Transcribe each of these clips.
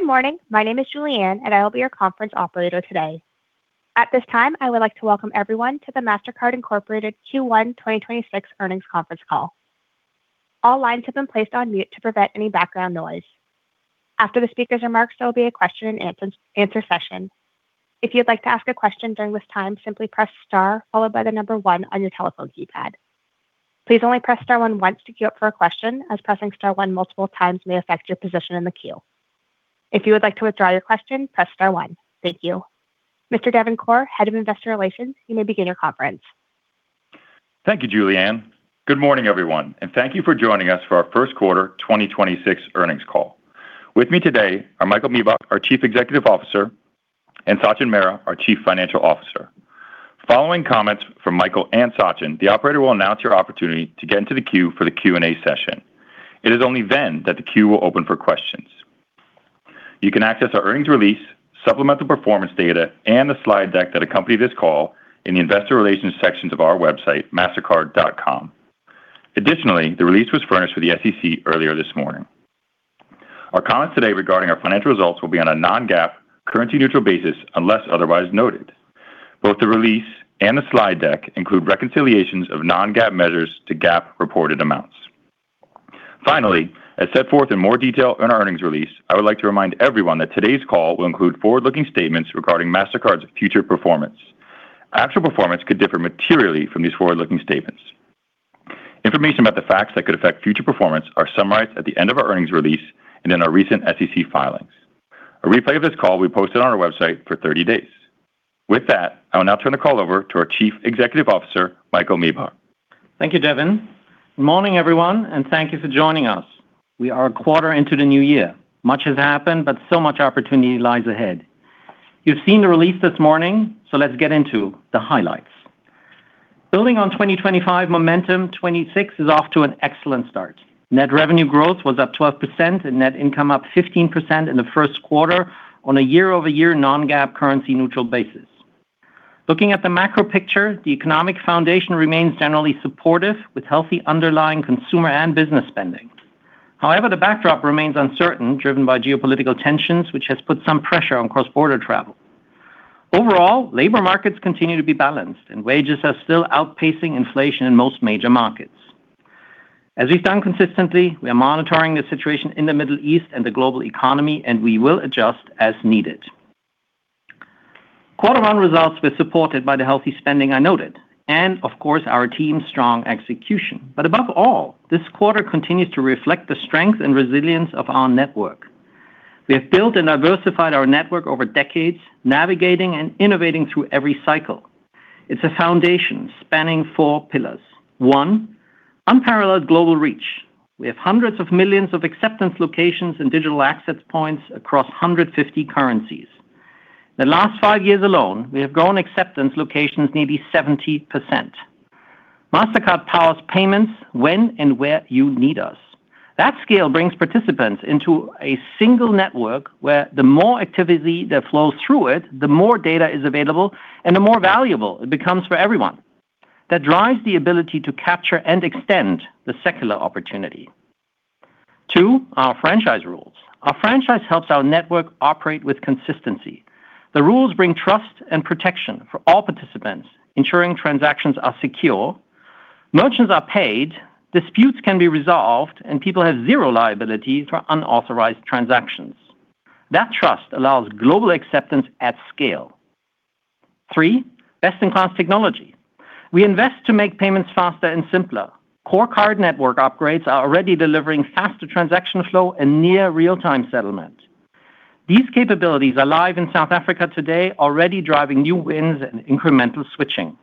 Good morning. My name is Julianne. I will be your conference operator today. At this time, I would like to welcome everyone to the Mastercard Incorporated Q1 2026 earnings conference call. All lines have been placed on mute to prevent any background noise. After the speaker's remarks, there will be a question-and-answer session. If you'd like to ask a question during this time, simply press star followed by the number one on your telephone keypad. Please only press star one once to queue up for a question, as pressing star one multiple times may affect your position in the queue. If you would like to withdraw your question, press star one. Thank you. Mr. Devin Corr, Head of Investor Relations, you may begin your conference. Thank you, Julianne. Good morning, everyone, and thank you for joining us for our first quarter 2026 earnings call. With me today are Michael Miebach, our Chief Executive Officer, and Sachin Mehra, our Chief Financial Officer. Following comments from Michael and Sachin, the operator will announce your opportunity to get into the queue for the Q&A session. It is only then that the queue will open for questions. You can access our earnings release, supplemental performance data, and the slide deck that accompany this call in the investor relations sections of our website, mastercard.com. Additionally, the release was furnished with the SEC earlier this morning. Our comments today regarding our financial results will be on a non-GAAP currency neutral basis unless otherwise noted. Both the release and the slide deck include reconciliations of non-GAAP measures to GAAP reported amounts. Finally, as set forth in more detail in our earnings release, I would like to remind everyone that today's call will include forward-looking statements regarding Mastercard's future performance. Actual performance could differ materially from these forward-looking statements. Information about the facts that could affect future performance are summarized at the end of our earnings release and in our recent SEC filings. A replay of this call will be posted on our website for 30 days. With that, I will now turn the call over to our Chief Executive Officer, Michael Miebach. Thank you, Devin. Morning, everyone, and thank you for joining us. We are a quarter into the new year. Much has happened, so much opportunity lies ahead. You've seen the release this morning, let's get into the highlights. Building on 2025 momentum, 2026 is off to an excellent start. Net revenue growth was up 12% and net income up 15% in the first quarter on a year-over-year non-GAAP currency neutral basis. Looking at the macro picture, the economic foundation remains generally supportive with healthy underlying consumer and business spending. However, the backdrop remains uncertain, driven by geopolitical tensions, which has put some pressure on cross-border travel. Overall, labor markets continue to be balanced and wages are still outpacing inflation in most major markets. As we've done consistently, we are monitoring the situation in the Middle East and the global economy. We will adjust as needed. Quarter one results were supported by the healthy spending I noted. Of course, our team's strong execution. Above all, this quarter continues to reflect the strength and resilience of our network. We have built and diversified our network over decades, navigating and innovating through every cycle. It's a foundation spanning four pillars. One, unparalleled global reach. We have hundreds of millions of acceptance locations and digital access points across 150 currencies. The last five years alone, we have grown acceptance locations nearly 70%. Mastercard powers payments when and where you need us. That scale brings participants into a single network where the more activity that flows through it, the more data is available and the more valuable it becomes for everyone. That drives the ability to capture and extend the secular opportunity. Two, our franchise rules. Our franchise helps our network operate with consistency. The rules bring trust and protection for all participants, ensuring transactions are secure, merchants are paid, disputes can be resolved, and people have zero liability for unauthorized transactions. That trust allows global acceptance at scale. Three, best-in-class technology. We invest to make payments faster and simpler. Core card network upgrades are already delivering faster transaction flow and near real-time settlement. These capabilities are live in South Africa today, already driving new wins and incremental switching.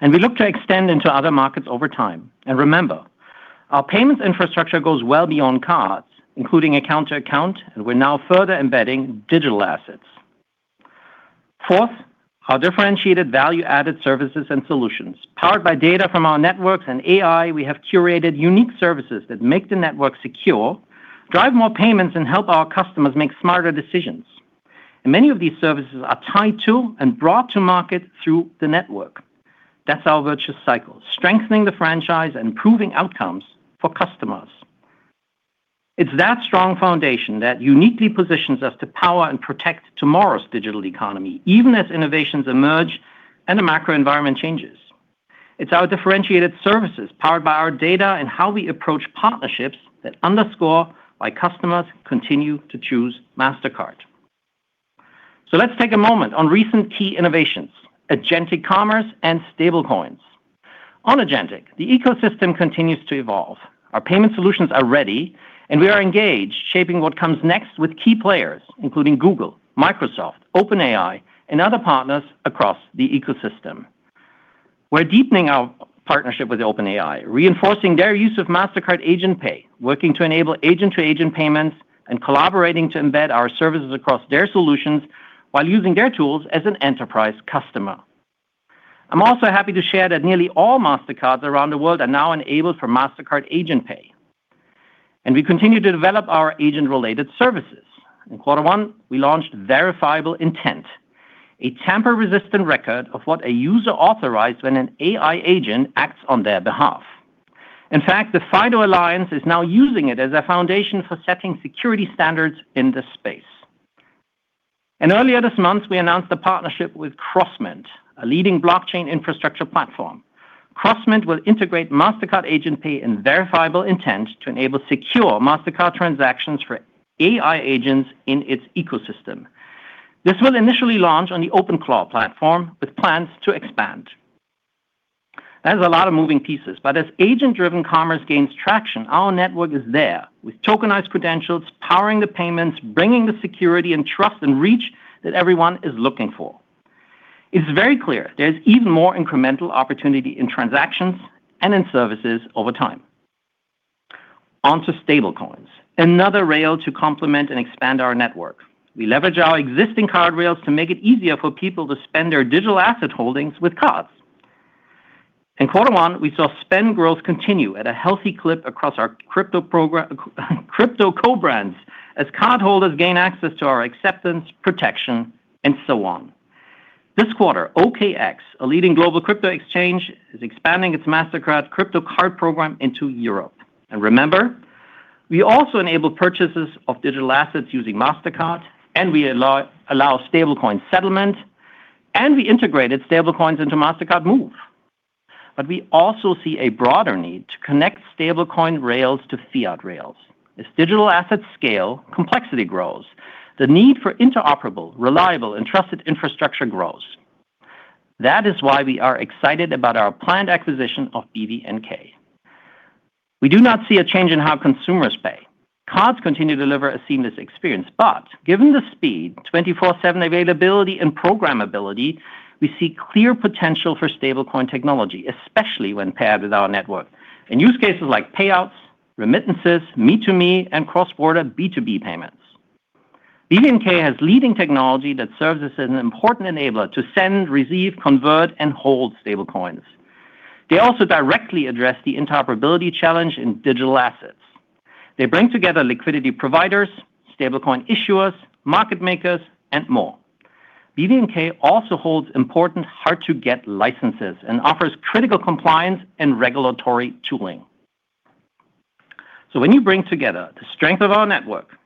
We look to extend into other markets over time. Remember, our payments infrastructure goes well beyond cards, including account-to-account, and we're now further embedding digital assets. Four, our differentiated value-added services and solutions. Powered by data from our networks and AI, we have curated unique services that make the network secure, drive more payments, and help our customers make smarter decisions. Many of these services are tied to and brought to market through the network. That's our virtuous cycle, strengthening the franchise and improving outcomes for customers. It's that strong foundation that uniquely positions us to power and protect tomorrow's digital economy, even as innovations emerge and the macro environment changes. It's our differentiated services powered by our data and how we approach partnerships that underscore why customers continue to choose Mastercard. Let's take a moment on recent key innovations, agentic commerce and stable coins. On agentic, the ecosystem continues to evolve. Our payment solutions are ready, and we are engaged shaping what comes next with key players, including Google, Microsoft, OpenAI, and other partners across the ecosystem. We're deepening our partnership with OpenAI, reinforcing their use of Mastercard Agent Pay, working to enable agent-to-agent payments, and collaborating to embed our services across their solutions while using their tools as an enterprise customer. I'm also happy to share that nearly all Mastercards around the world are now enabled for Mastercard Agent Pay. We continue to develop our agent-related services. In quarter one, we launched Verifiable Intent, a tamper-resistant record of what a user authorized when an AI agent acts on their behalf. In fact, the FIDO Alliance is now using it as a foundation for setting security standards in this space. Earlier this month, we announced a partnership with Crossmint, a leading blockchain infrastructure platform. Crossmint will integrate Mastercard Agent Pay and Verifiable Intent to enable secure Mastercard transactions for AI agents in its ecosystem. This will initially launch on the OpenClaw platform with plans to expand. That's a lot of moving pieces, as agent-driven commerce gains traction, our network is there with tokenized credentials, powering the payments, bringing the security and trust and reach that everyone is looking for. It's very clear there's even more incremental opportunity in transactions and in services over time. Onto stablecoins, another rail to complement and expand our network. We leverage our existing card rails to make it easier for people to spend their digital asset holdings with cards. In quarter one, we saw spend growth continue at a healthy clip across our crypto co-brands as cardholders gain access to our acceptance, protection, and so on. This quarter, OKX, a leading global crypto exchange, is expanding its Mastercard crypto card program into Europe. Remember, we also enable purchases of digital assets using Mastercard, and we allow stablecoin settlement, and we integrated stablecoins into Mastercard Move. We also see a broader need to connect stablecoin rails to fiat rails. As digital assets scale, complexity grows. The need for interoperable, reliable, and trusted infrastructure grows. That is why we are excited about our planned acquisition of BVNK. We do not see a change in how consumers pay. Cards continue to deliver a seamless experience, but given the speed, 24/7 availability, and programmability, we see clear potential for stablecoin technology, especially when paired with our network. In use cases like payouts, remittances, me-to-me, and cross-border B2B payments. BVNK has leading technology that serves as an important enabler to send, receive, convert, and hold stablecoins. They also directly address the interoperability challenge in digital assets. They bring together liquidity providers, stablecoin issuers, market makers, and more. BVNK also holds important hard-to-get licenses and offers critical compliance and regulatory tooling. When you bring together the strength of our network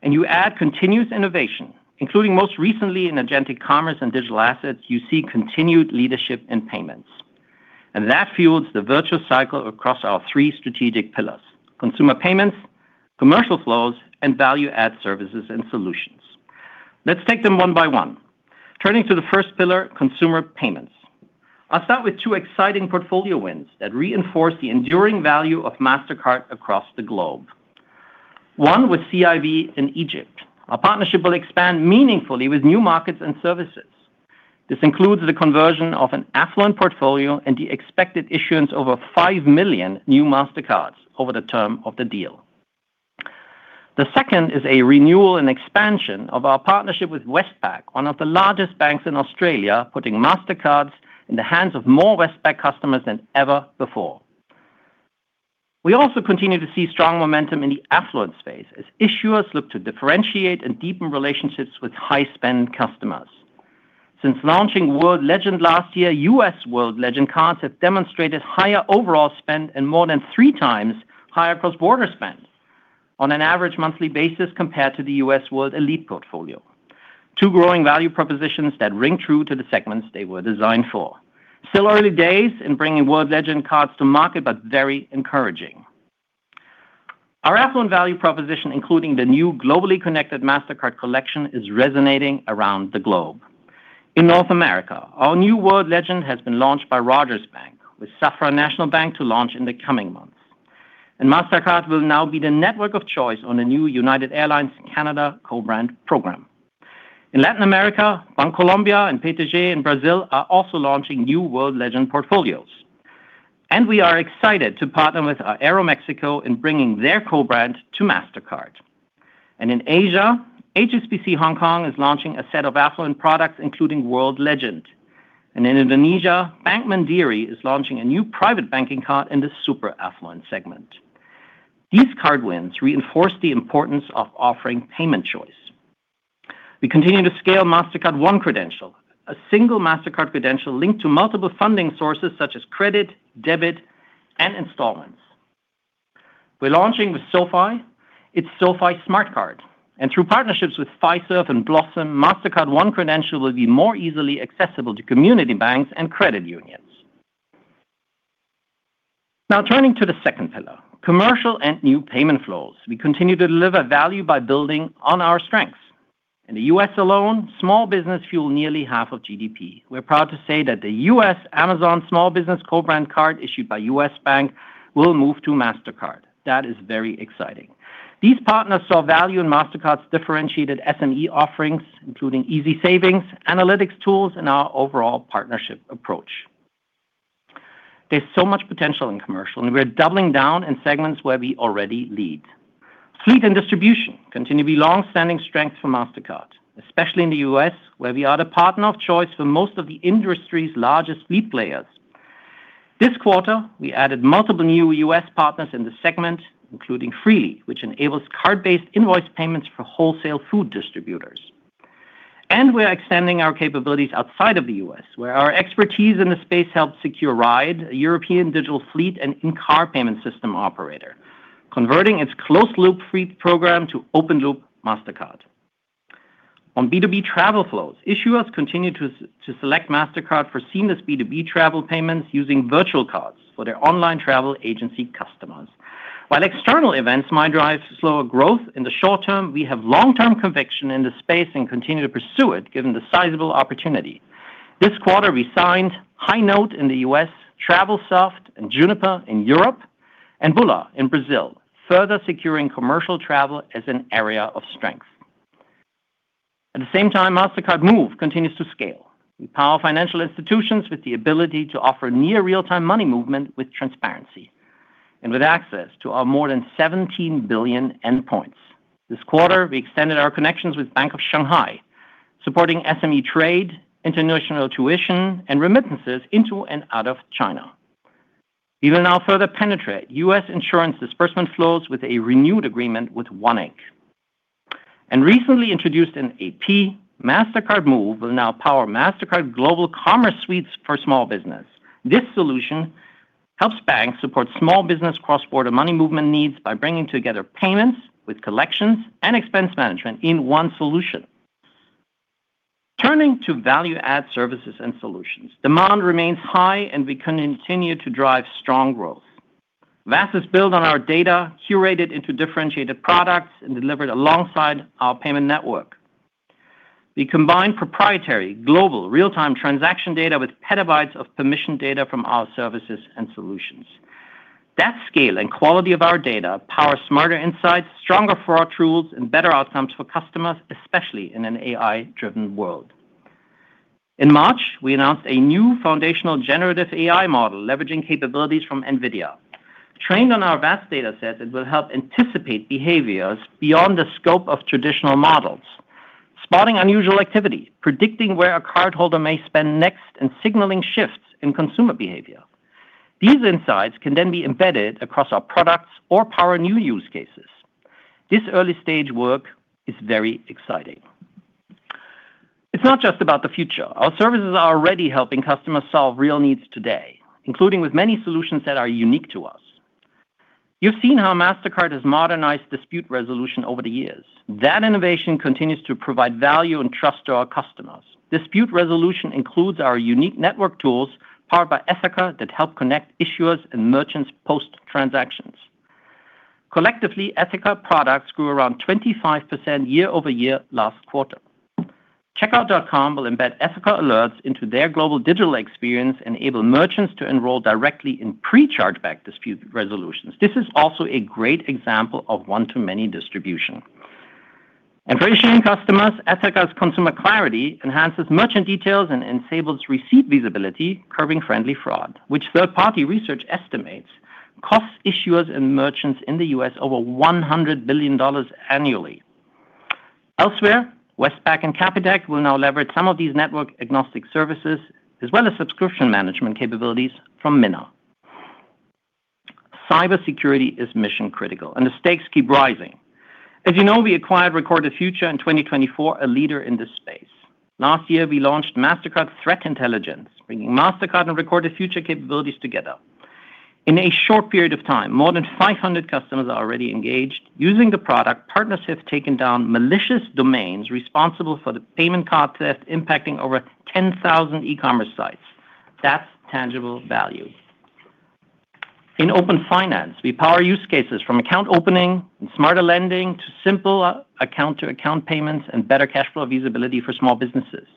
and you add continuous innovation, including most recently in agentic commerce and digital assets, you see continued leadership in payments. That fuels the virtual cycle across our three strategic pillars: consumer payments, commercial flows, and value-add services and solutions. Let's take them one by one. Turning to the first pillar, consumer payments. I'll start with two exciting portfolio wins that reinforce the enduring value of Mastercard across the globe. One with CIB in Egypt. Our partnership will expand meaningfully with new markets and services. This includes the conversion of an affluent portfolio and the expected issuance of over 5 million new Mastercards over the term of the deal. The second is a renewal and expansion of our partnership with Westpac, one of the largest banks in Australia, putting Mastercards in the hands of more Westpac customers than ever before. We also continue to see strong momentum in the affluent space as issuers look to differentiate and deepen relationships with high-spend customers. Since launching World Legend last year, U.S. World Legend cards have demonstrated higher overall spend and more than 3x higher cross-border spend on an average monthly basis compared to the U.S. World Elite portfolio. Two growing value propositions that ring true to the segments they were designed for. Still early days in bringing World Legend cards to market, but very encouraging. Our affluent value proposition, including the new globally connected Mastercard Collection, is resonating around the globe. In North America, our new World Legend has been launched by Rogers Bank, with Saudi National Bank to launch in the coming months. Mastercard will now be the network of choice on the new United Airlines Canada co-brand program. In Latin America, Bancolombia and BTG in Brazil are also launching new World Legend portfolios. We are excited to partner with Aeromexico in bringing their co-brand to Mastercard. In Asia, HSBC Hong Kong is launching a set of affluent products, including World Legend. In Indonesia, Bank Mandiri is launching a new private banking card in the super-affluent segment. These card wins reinforce the importance of offering payment choice. We continue to scale Mastercard One Credential, a single Mastercard credential linked to multiple funding sources such as credit, debit, and installments. We're launching with SoFi its SoFi Smart Card. Through partnerships with Fiserv and Blossom, Mastercard One Credential will be more easily accessible to community banks and credit unions. Turning to the second pillar, commercial and new payment flows. We continue to deliver value by building on our strengths. In the U.S. alone, small business fuel nearly half of GDP. We're proud to say that the U.S. Amazon Small Business co-brand card issued by U.S. Bank will move to Mastercard. That is very exciting. These partners saw value in Mastercard's differentiated SME offerings, including easy savings, analytics tools, and our overall partnership approach. There's so much potential in commercial, and we're doubling down in segments where we already lead. Fleet and distribution continue to be longstanding strengths for Mastercard, especially in the U.S., where we are the partner of choice for most of the industry's largest fleet players. This quarter, we added multiple new U.S. partners in the segment, including Free, which enables card-based invoice payments for wholesale food distributors. We are extending our capabilities outside of the U.S., where our expertise in the space helped secure ryd, a European digital fleet and in-car payment system operator, converting its closed-loop fleet program to open-loop Mastercard. On B2B travel flows, issuers continue to select Mastercard for seamless B2B travel payments using virtual cards for their online travel agency customers. While external events might drive slower growth in the short term, we have long-term conviction in the space and continue to pursue it given the sizable opportunity. This quarter, we signed Highnote in the U.S., Travelsoft and Juniper in Europe, and Bula in Brazil, further securing commercial travel as an area of strength. At the same time, Mastercard Move continues to scale. We power financial institutions with the ability to offer near real-time money movement with transparency and with access to our more than 17 billion endpoints. This quarter, we extended our connections with Bank of Shanghai, supporting SME trade, international tuition, and remittances into and out of China. We will now further penetrate U.S. insurance disbursement flows with a renewed agreement with One Inc. Recently introduced in APAC, Mastercard Move will now power Mastercard Global Commerce Suite for Small Businesses. This solution helps banks support small business cross-border money movement needs by bringing together payments with collections and expense management in one solution. Turning to value-add services and solutions, demand remains high, and we continue to drive strong growth. VASS is built on our data, curated into differentiated products and delivered alongside our payment network. We combine proprietary global real-time transaction data with petabytes of permission data from our services and solutions. That scale and quality of our data power smarter insights, stronger fraud tools, and better outcomes for customers, especially in an AI-driven world. In March, we announced a new foundational generative AI model leveraging capabilities from NVIDIA. Trained on our vast data sets, it will help anticipate behaviors beyond the scope of traditional models, spotting unusual activity, predicting where a cardholder may spend next, and signaling shifts in consumer behavior. These insights can then be embedded across our products or power new use cases. This early-stage work is very exciting. It's not just about the future. Our services are already helping customers solve real needs today, including with many solutions that are unique to us. You've seen how Mastercard has modernized dispute resolution over the years. That innovation continues to provide value and trust to our customers. Dispute resolution includes our unique network tools powered by Ethoca that help connect issuers and merchants post-transactions. Collectively, Ethoca products grew around 25% year-over-year last quarter. Checkout.com will embed Ethoca alerts into their global digital experience and enable merchants to enroll directly in pre-chargeback dispute resolutions. This is also a great example of one-to-many distribution. For issuing customers, Ethoca Consumer Clarity enhances merchant details and enables receipt visibility, curbing friendly fraud, which third-party research estimates costs issuers and merchants in the U.S. over $100 billion annually. Elsewhere, Westpac and Capitec will now leverage some of these network-agnostic services as well as subscription management capabilities from Minna. Cybersecurity is mission-critical, and the stakes keep rising. As you know, we acquired Recorded Future in 2024, a leader in this space. Last year, we launched Mastercard Threat Intelligence, bringing Mastercard and Recorded Future capabilities together. In a short period of time, more than 500 customers are already engaged. Using the product, partners have taken down malicious domains responsible for the payment card theft impacting over 10,000 e-commerce sites. That's tangible value. In open finance, we power use cases from account opening and smarter lending to simple, account-to-account payments and better cash flow visibility for small businesses.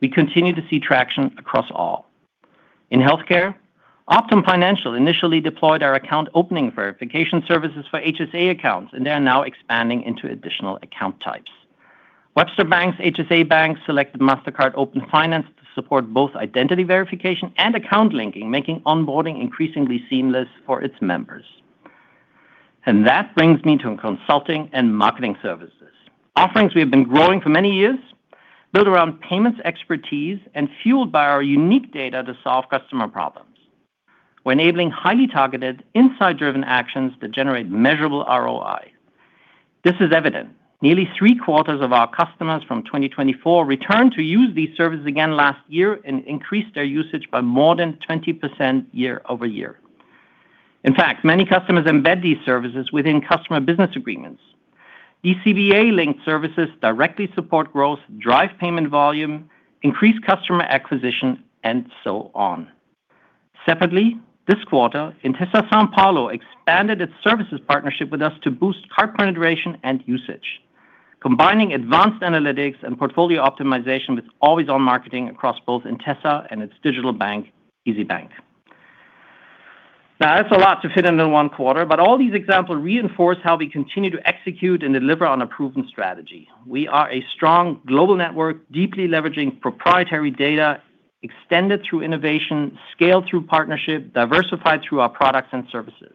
We continue to see traction across all. In healthcare, Optum Financial initially deployed our account opening verification services for HSA accounts, and they are now expanding into additional account types. Webster Bank's HSA Bank selected Mastercard Open Finance to support both identity verification and account linking, making onboarding increasingly seamless for its members. That brings me to consulting and marketing services, offerings we have been growing for many years, built around payments expertise and fueled by our unique data to solve customer problems. We are enabling highly targeted, insight-driven actions that generate measurable ROI. This is evident. Nearly three-quarters of our customers from 2024 returned to use these services again last year and increased their usage by more than 20% year-over-year. In fact, many customers embed these services within customer business agreements. ECBA-linked services directly support growth, drive payment volume, increase customer acquisition, and so on. Separately, this quarter, Intesa Sanpaolo expanded its services partnership with us to boost card penetration and usage, combining advanced analytics and portfolio optimization with always-on marketing across both Intesa and its digital bank, Isybank. That's a lot to fit into one quarter. All these examples reinforce how we continue to execute and deliver on a proven strategy. We are a strong global network, deeply leveraging proprietary data extended through innovation, scaled through partnership, diversified through our products and services.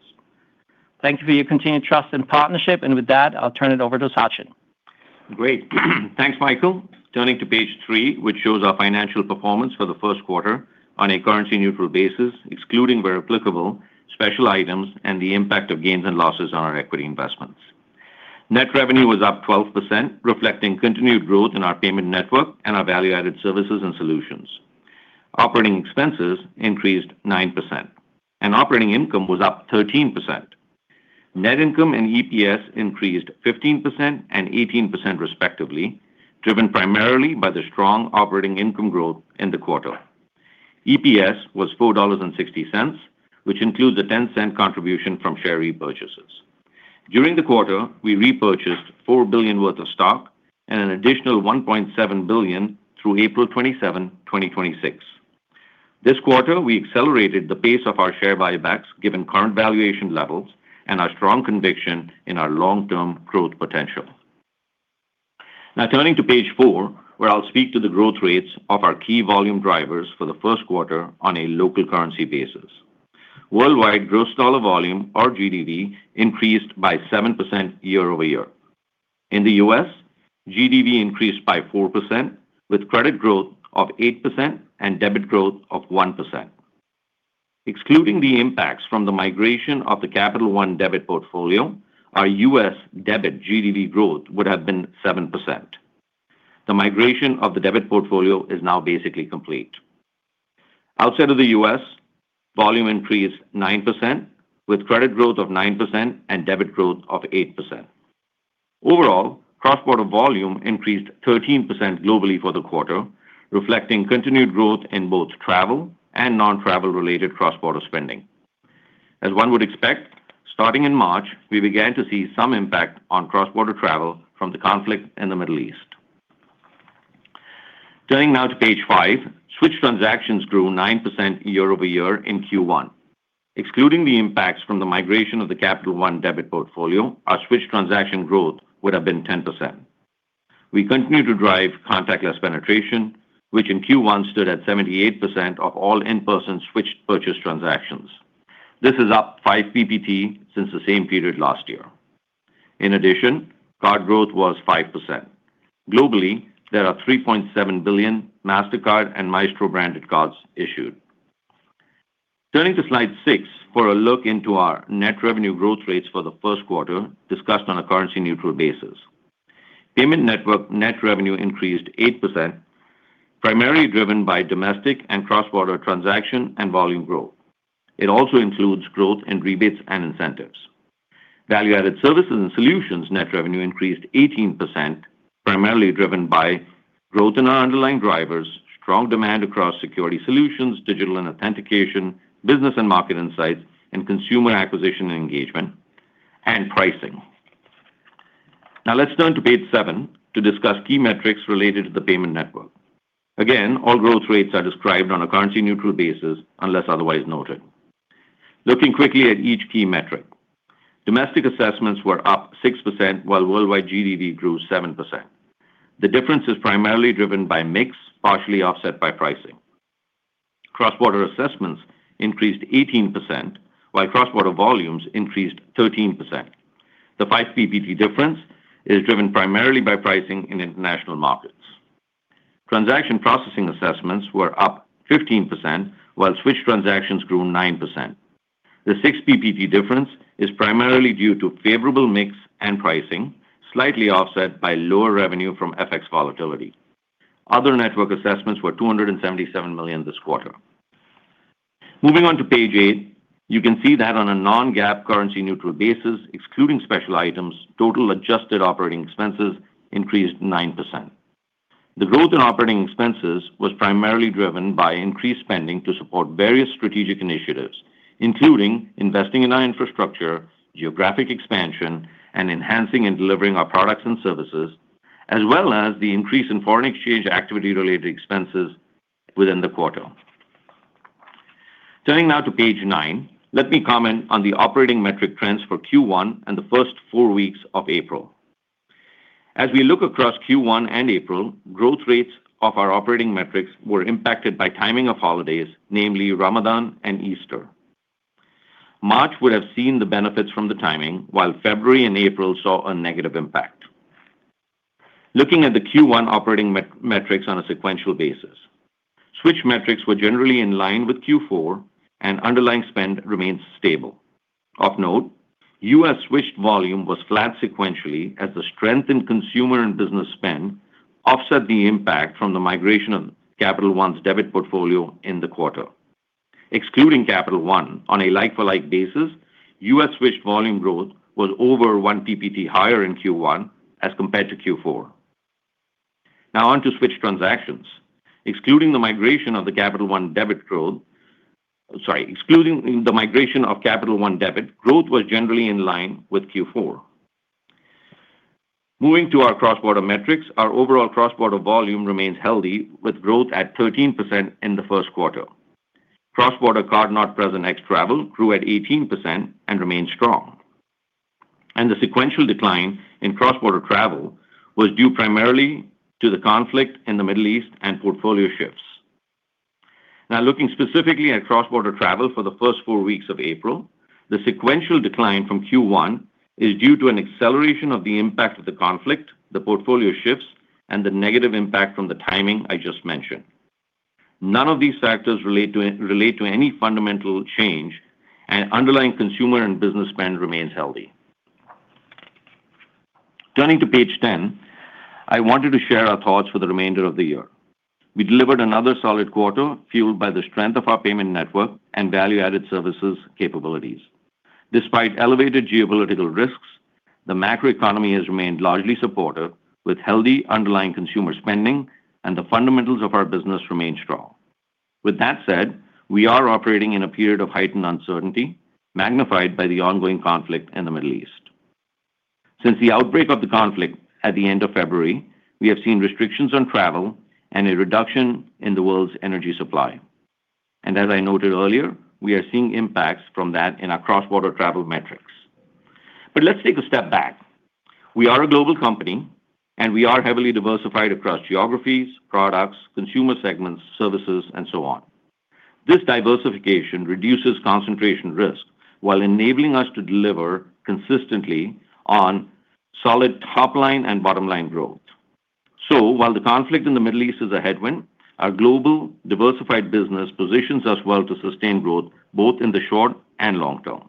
Thank you for your continued trust and partnership. With that, I'll turn it over to Sachin. Great. Thanks, Michael. Turning to page three, which shows our financial performance for the first quarter on a currency-neutral basis, excluding where applicable, Special items and the impact of gains and losses on our equity investments. Net revenue was up 12%, reflecting continued growth in our payment network and our value-added services and solutions. Operating expenses increased 9% and operating income was up 13%. Net income and EPS increased 15% and 18% respectively, driven primarily by the strong operating income growth in the quarter. EPS was $4.60, which includes a $0.10 contribution from share repurchases. During the quarter, we repurchased $4 billion worth of stock and an additional $1.7 billion through April 27, 2026. This quarter, we accelerated the pace of our share buybacks given current valuation levels and our strong conviction in our long-term growth potential. Now, turning to page four, where I'll speak to the growth rates of our key volume drivers for the first quarter on a local currency basis. Worldwide gross dollar volume, or GDV, increased by 7% year-over-year. In the U.S., GDV increased by 4%, with credit growth of 8% and debit growth of 1%. Excluding the impacts from the migration of the Capital One debit portfolio, our U.S. debit GDV growth would have been 7%. The migration of the debit portfolio is now basically complete. Outside of the U.S., volume increased 9%, with credit growth of 9% and debit growth of 8%. Overall, cross-border volume increased 13% globally for the quarter, reflecting continued growth in both travel and non-travel related cross-border spending. As one would expect, starting in March, we began to see some impact on cross-border travel from the conflict in the Middle East. Turning now to page five, switched transactions grew 9% year-over-year in Q1. Excluding the impacts from the migration of the Capital One debit portfolio, our switched transaction growth would have been 10%. We continue to drive contactless penetration, which in Q1 stood at 78% of all in-person switched purchase transactions. This is up 5 BPT since the same period last year. In addition, card growth was 5%. Globally, there are 3.7 billion Mastercard and Maestro-branded cards issued. Turning to slide six for a look into our net revenue growth rates for the first quarter, discussed on a currency neutral basis. Payment network net revenue increased 8%, primarily driven by domestic and cross-border transaction and volume growth. It also includes growth in rebates and incentives. Value-added services and solutions net revenue increased 18%, primarily driven by growth in our underlying drivers, strong demand across security solutions, digital and authentication, business and market insights, and consumer acquisition and engagement, and pricing. Now let's turn to page seven to discuss key metrics related to the payment network. Again, all growth rates are described on a currency neutral basis unless otherwise noted. Looking quickly at each key metric. Domestic assessments were up 6%, while worldwide GDV grew 7%. The difference is primarily driven by mix, partially offset by pricing. Cross-border assessments increased 18%, while cross-border volumes increased 13%. The 5 PBT difference is driven primarily by pricing in international markets. Transaction processing assessments were up 15%, while switched transactions grew 9%. The 6 PBT difference is primarily due to favorable mix and pricing, slightly offset by lower revenue from FX volatility. Other network assessments were $277 million this quarter. Moving on to page eight, you can see that on a non-GAAP currency neutral basis, excluding special items, total adjusted operating expenses increased 9%. The growth in operating expenses was primarily driven by increased spending to support various strategic initiatives, including investing in our infrastructure, geographic expansion, and enhancing and delivering our products and services, as well as the increase in foreign exchange activity-related expenses within the quarter. Turning now to page nine, let me comment on the operating metric trends for Q1 and the first four weeks of April. As we look across Q1 and April, growth rates of our operating metrics were impacted by timing of holidays, namely Ramadan and Easter. March would have seen the benefits from the timing while February and April saw a negative impact. Looking at the Q1 operating metrics on a sequential basis. Switched metrics were generally in line with Q4 and underlying spend remains stable. Of note, U.S. switched volume was flat sequentially as the strength in consumer and business spend offset the impact from the migration of Capital One's debit portfolio in the quarter. Excluding Capital One on a like-for-like basis, U.S. switched volume growth was over 1 PPT higher in Q1 as compared to Q4. Now on to switched transactions. Sorry, excluding the migration of Capital One debit, growth was generally in line with Q4. Moving to our cross-border metrics, our overall cross-border volume remains healthy with growth at 13% in the first quarter. Cross-border card not present ex travel grew at 18% and remains strong. The sequential decline in cross-border travel was due primarily to the conflict in the Middle East and portfolio shifts. Now looking specifically at cross-border travel for the first four weeks of April, the sequential decline from Q1 is due to an acceleration of the impact of the conflict, the portfolio shifts, and the negative impact from the timing I just mentioned. None of these factors relate to any fundamental change, and underlying consumer and business spend remains healthy. Turning to page 10, I wanted to share our thoughts for the remainder of the year. We delivered another solid quarter fueled by the strength of our payment network and value-added services capabilities. Despite elevated geopolitical risks, the macro economy has remained largely supportive, with healthy underlying consumer spending and the fundamentals of our business remain strong. With that said, we are operating in a period of heightened uncertainty, magnified by the ongoing conflict in the Middle East. Since the outbreak of the conflict at the end of February, we have seen restrictions on travel and a reduction in the world's energy supply. As I noted earlier, we are seeing impacts from that in our cross-border travel metrics. Let's take a step back. We are a global company, and we are heavily diversified across geographies, products, consumer segments, services, and so on. This diversification reduces concentration risk while enabling us to deliver consistently on solid top-line and bottom-line growth. While the conflict in the Middle East is a headwind, our global diversified business positions us well to sustain growth both in the short and long term.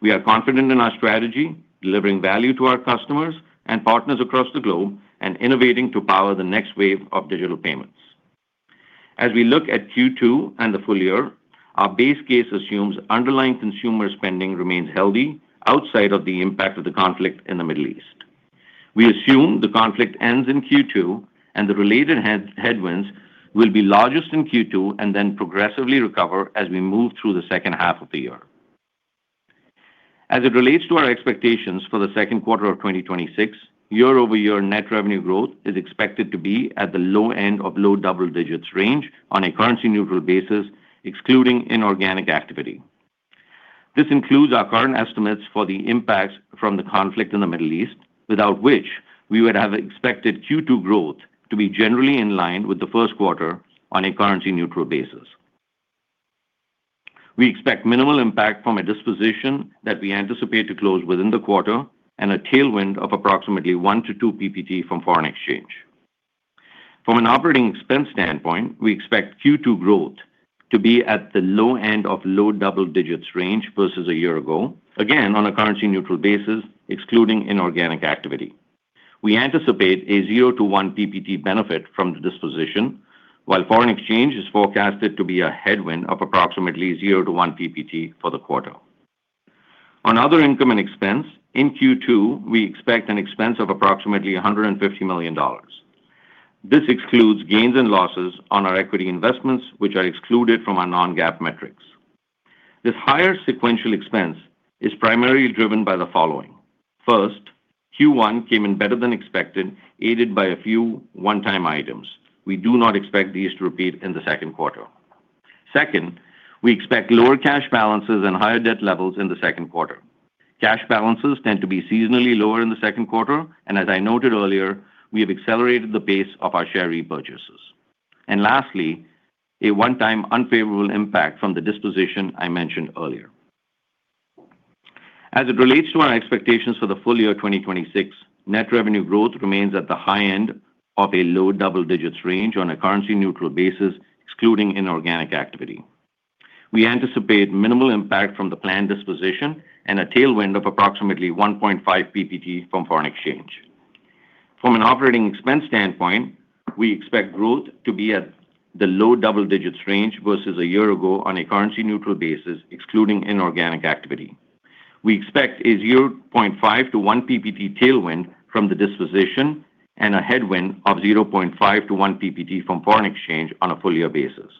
We are confident in our strategy, delivering value to our customers and partners across the globe, and innovating to power the next wave of digital payments. As we look at Q2 and the full year, our base case assumes underlying consumer spending remains healthy outside of the impact of the conflict in the Middle East. We assume the conflict ends in Q2, and the related headwinds will be largest in Q2 and then progressively recover as we move through the second half of the year. As it relates to our expectations for the second quarter of 2026, year-over-year net revenue growth is expected to be at the low end of low double-digits range on a currency-neutral basis, excluding inorganic activity. This includes our current estimates for the impacts from the conflict in the Middle East, without which we would have expected Q2 growth to be generally in line with the first quarter on a currency-neutral basis. We expect minimal impact from a disposition that we anticipate to close within the quarter and a tailwind of approximately 1 PPT-2 PPT from foreign exchange. From an operating expense standpoint, we expect Q2 growth to be at the low end of low double-digits range versus a year ago, again, on a currency-neutral basis, excluding inorganic activity. We anticipate a 0 PPT-1 PPT benefit from the disposition, while foreign exchange is forecasted to be a headwind of approximately 0 PPT-1 PPT for the quarter. On other income and expense, in Q2, we expect an expense of approximately $150 million. This excludes gains and losses on our equity investments, which are excluded from our non-GAAP metrics. This higher sequential expense is primarily driven by the following. First, Q1 came in better than expected, aided by a few one-time items. We do not expect these to repeat in the second quarter. Second, we expect lower cash balances and higher debt levels in the second quarter. Cash balances tend to be seasonally lower in the second quarter, and as I noted earlier, we have accelerated the pace of our share repurchases. Lastly, a one-time unfavorable impact from the disposition I mentioned earlier. As it relates to our expectations for the full year 2026, net revenue growth remains at the high end of a low double digits range on a currency-neutral basis, excluding inorganic activity. We anticipate minimal impact from the planned disposition and a tailwind of approximately 1.5 PPT from foreign exchange. From an operating expense standpoint, we expect growth to be at the low double digits range versus a year ago on a currency-neutral basis, excluding inorganic activity. We expect a 0.5 PPT-1 PPT tailwind from the disposition and a headwind of 0.5 PPT-1 PPT from foreign exchange on a full year basis.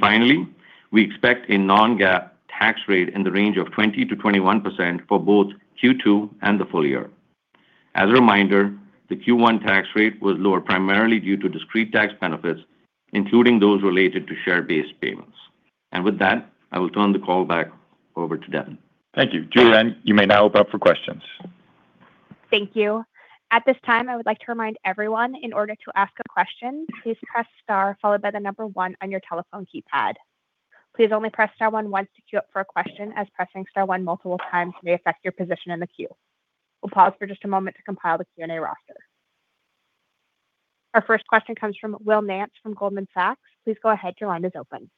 Finally, we expect a non-GAAP tax rate in the range of 20%-21% for both Q2 and the full year. As a reminder, the Q1 tax rate was lower primarily due to discrete tax benefits, including those related to share-based payments. With that, I will turn the call back over to Devin. Thank you. Julianne, you may now open up for questions. Thank you. At this time, I would like to remind everyone in order to ask a question, please press star followed by one on your telephone keypad. Please only press star one once to queue up for a question as pressing star one multiple times may affect your position in the queue. We'll pause for just a moment to compile the Q&A roster. Our first question comes from Will Nance from Goldman Sachs. Please go ahead, your line is open.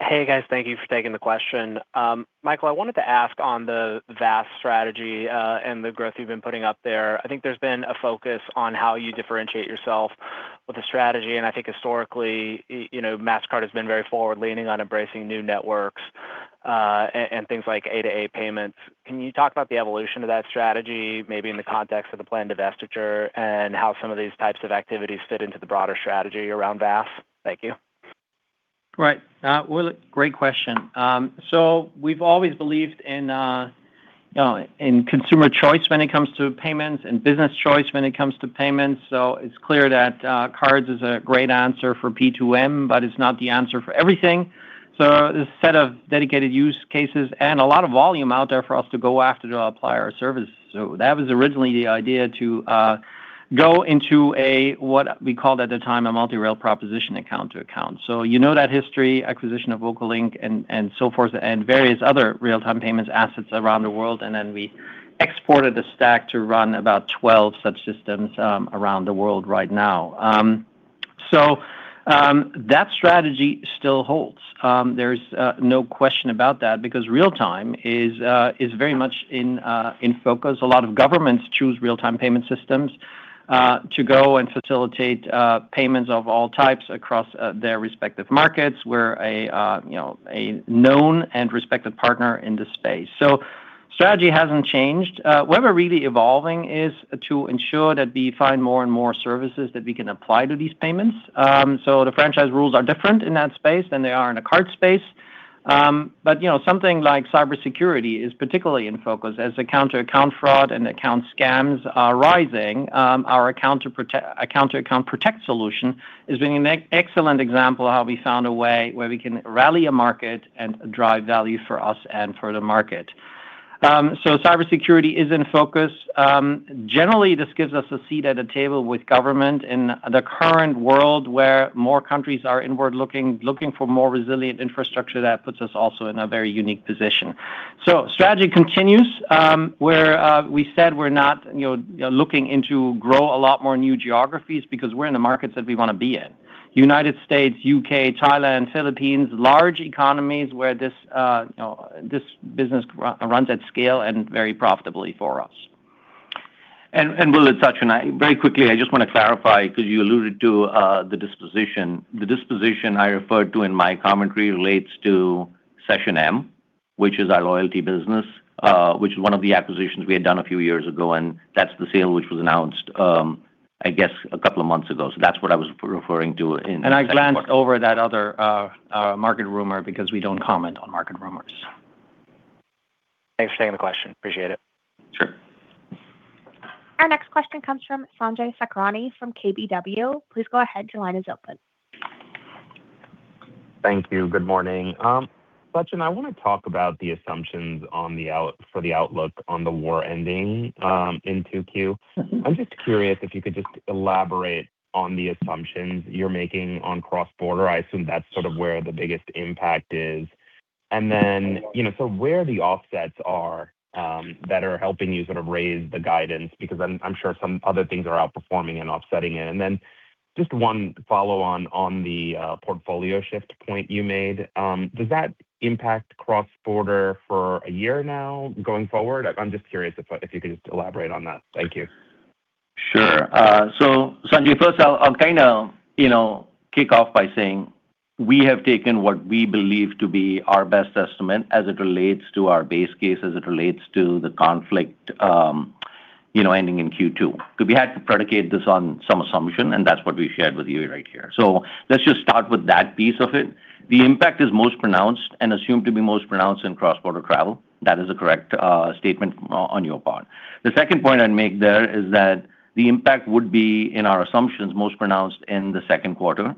Hey, guys, thank you for taking the question. Michael, I wanted to ask on the VAS strategy and the growth you've been putting up there. I think there's been a focus on how you differentiate yourself with the strategy. I think historically, you know, Mastercard has been very forward-leaning on embracing new networks and things like A to A payments. Can you talk about the evolution of that strategy, maybe in the context of the planned divestiture, how some of these types of activities fit into the broader strategy around VAS? Thank you. Right. Will, great question. We've always believed in consumer choice when it comes to payments and business choice when it comes to payments. It's clear that cards is a great answer for P2M, but it's not the answer for everything. There's a set of dedicated use cases and a lot of volume out there for us to go after to apply our services. That was originally the idea to go into a, what we called at the time, a multi-rail proposition account-to-account. You know that history, acquisition of VocaLink and so forth, and various other real-time payments assets around the world, and then we. Exported the stack to run about 12 such systems around the world right now. That strategy still holds. There's no question about that because real-time is very much in focus. A lot of governments choose real-time payment systems to go and facilitate payments of all types across their respective markets. We're a, you know, a known and respected partner in this space. Strategy hasn't changed. Where we're really evolving is to ensure that we find more and more services that we can apply to these payments. The franchise rules are different in that space than they are in a card space. You know, something like cybersecurity is particularly in focus. As account-to-account fraud and account scams are rising, our Account-to-Account Protect solution is being an excellent example of how we found a way where we can rally a market and drive value for us and for the market. Cybersecurity is in focus. Generally, this gives us a seat at a table with government in the current world where more countries are inward-looking, looking for more resilient infrastructure that puts us also in a very unique position. Strategy continues where we said we're not, you know, looking into grow a lot more new geographies because we're in the markets that we wanna be in. U.S., U.K., Thailand, Philippines, large economies where this business runs at scale and very profitably for us. Will, as such, and I very quickly just wanna clarify because you alluded to the disposition. The disposition I referred to in my commentary relates to SessionM, which is our loyalty business, which is one of the acquisitions we had done a few years ago, and that's the sale which was announced a couple of months ago. That's what I was referring to in the second part. I glanced over that other market rumor because we don't comment on market rumors. Thanks for taking the question. Appreciate it. Sure. Our next question comes from Sanjay Sakhrani from KBW. Please go ahead, your line is open. Thank you. Good morning. Sachin, I wanna talk about the assumptions for the outlook on the war ending, in 2Q. Mm-hmm. I'm just curious if you could just elaborate on the assumptions you're making on cross-border. I assume that's sort of where the biggest impact is. You know, where the offsets are that are helping you sort of raise the guidance because I'm sure some other things are outperforming and offsetting it. Just one follow-on on the portfolio shift point you made. Does that impact cross-border for a year now going forward? I'm just curious if you could just elaborate on that. Thank you. Sure. Sanjay, first I'll kinda, you know, kick off by saying we have taken what we believe to be our best estimate as it relates to our base case, as it relates to the conflict, you know, ending in Q2. Because we had to predicate this on some assumption, and that's what we shared with you right here. Let's just start with that piece of it. The impact is most pronounced and assumed to be most pronounced in cross-border travel. That is a correct statement on your part. The second point I'd make there is that the impact would be, in our assumptions, most pronounced in the second quarter.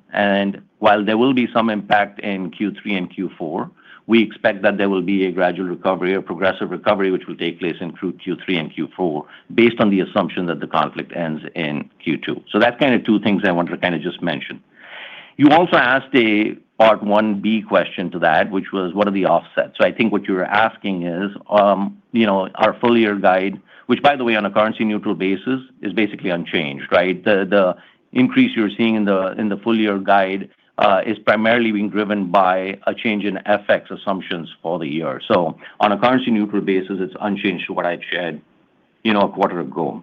While there will be some impact in Q3 and Q4, we expect that there will be a gradual recovery, a progressive recovery, which will take place in through Q3 and Q4 based on the assumption that the conflict ends in Q2. That's kind of two things I wanted to kind of just mention. You also asked a part 1B question to that, which was what are the offsets? I think what you're asking is, you know, our full-year guide, which by the way on a currency neutral basis is basically unchanged, right? The increase you're seeing in the full-year guide is primarily being driven by a change in FX assumptions for the year. On a currency neutral basis, it's unchanged to what I'd shared, you know, a quarter ago.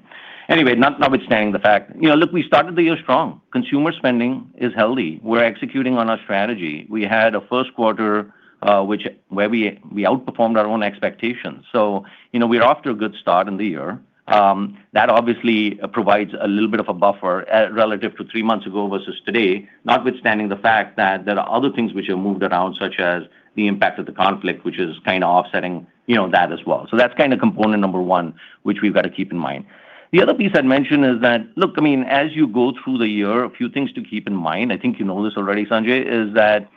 Anyway, notwithstanding the fact. You know, look, we started the year strong. Consumer spending is healthy. We're executing on our strategy. We had a first quarter where we outperformed our own expectations. You know, we're off to a good start in the year. That obviously provides a little bit of a buffer relative to three months ago versus today, notwithstanding the fact that there are other things which have moved around, such as the impact of the conflict, which is kinda offsetting, you know, that as well. That's kinda component number one, which we've gotta keep in mind. The other piece I'd mention is that, look, I mean, as you go through the year, a few things to keep in mind, I think you know this already, Sanjay, is that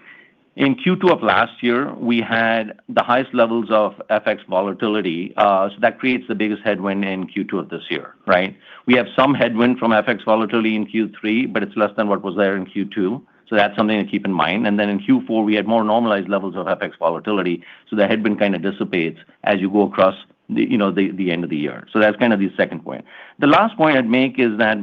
in Q2 of last year we had the highest levels of FX volatility. That creates the biggest headwind in Q2 of this year, right? We have some headwind from FX volatility in Q3, but it's less than what was there in Q2. That's something to keep in mind. In Q4 we had more normalized levels of FX volatility, so the headwind kind of dissipates as you go across the, you know, the end of the year. That's kind of the second point. The last point I'd make is that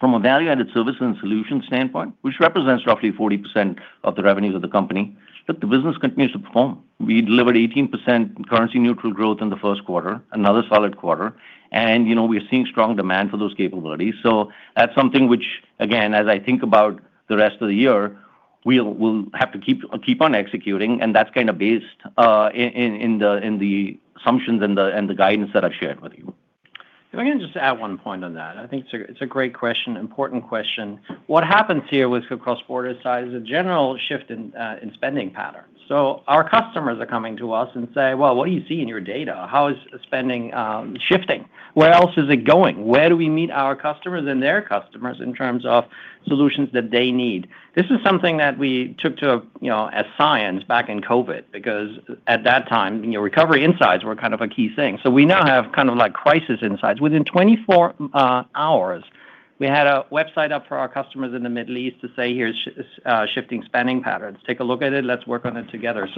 from a value-added service and solution standpoint, which represents roughly 40% of the revenues of the company, look, the business continues to perform. We delivered 18% currency neutral growth in the first quarter, another solid quarter, and, you know, we're seeing strong demand for those capabilities. That's something which, again, as I think about the rest of the year, we'll have to keep on executing, and that's kinda based in the assumptions and the guidance that I've shared with you. If I can just add one point on that. I think it's a great question, important question. What happens here with cross-border side is a general shift in spending patterns. Our customers are coming to us and say, "Well, what do you see in your data? How is spending shifting? Where else is it going? Where do we meet our customers and their customers in terms of solutions that they need?" This is something that we took to, you know, as science back in COVID, because at that time, you know, recovery insights were kind of a key thing. We now have kind of like crisis insights. Within 24 hours. We had a website up for our customers in the Middle East to say, Here's shifting spending patterns. Take a look at it, let's work on it together.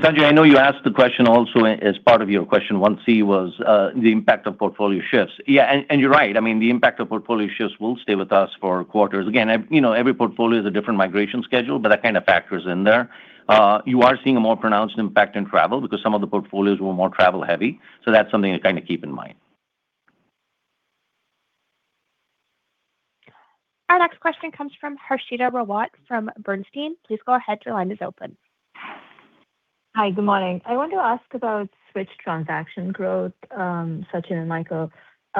Sanjay, I know you asked the question also as part of your question 1C was, the impact of portfolio shifts. Yeah, you're right. I mean, the impact of portfolio shifts will stay with us for quarters. Again, you know, every portfolio is a different migration schedule, but that kind of factors in there. You are seeing a more pronounced impact in travel because some of the portfolios were more travel heavy, so that's something to kind of keep in mind. Our next question comes from Harshita Rawat from Bernstein. Please go ahead, your line is open. Hi, good morning. I want to ask about switch transaction growth, Sachin and Michael.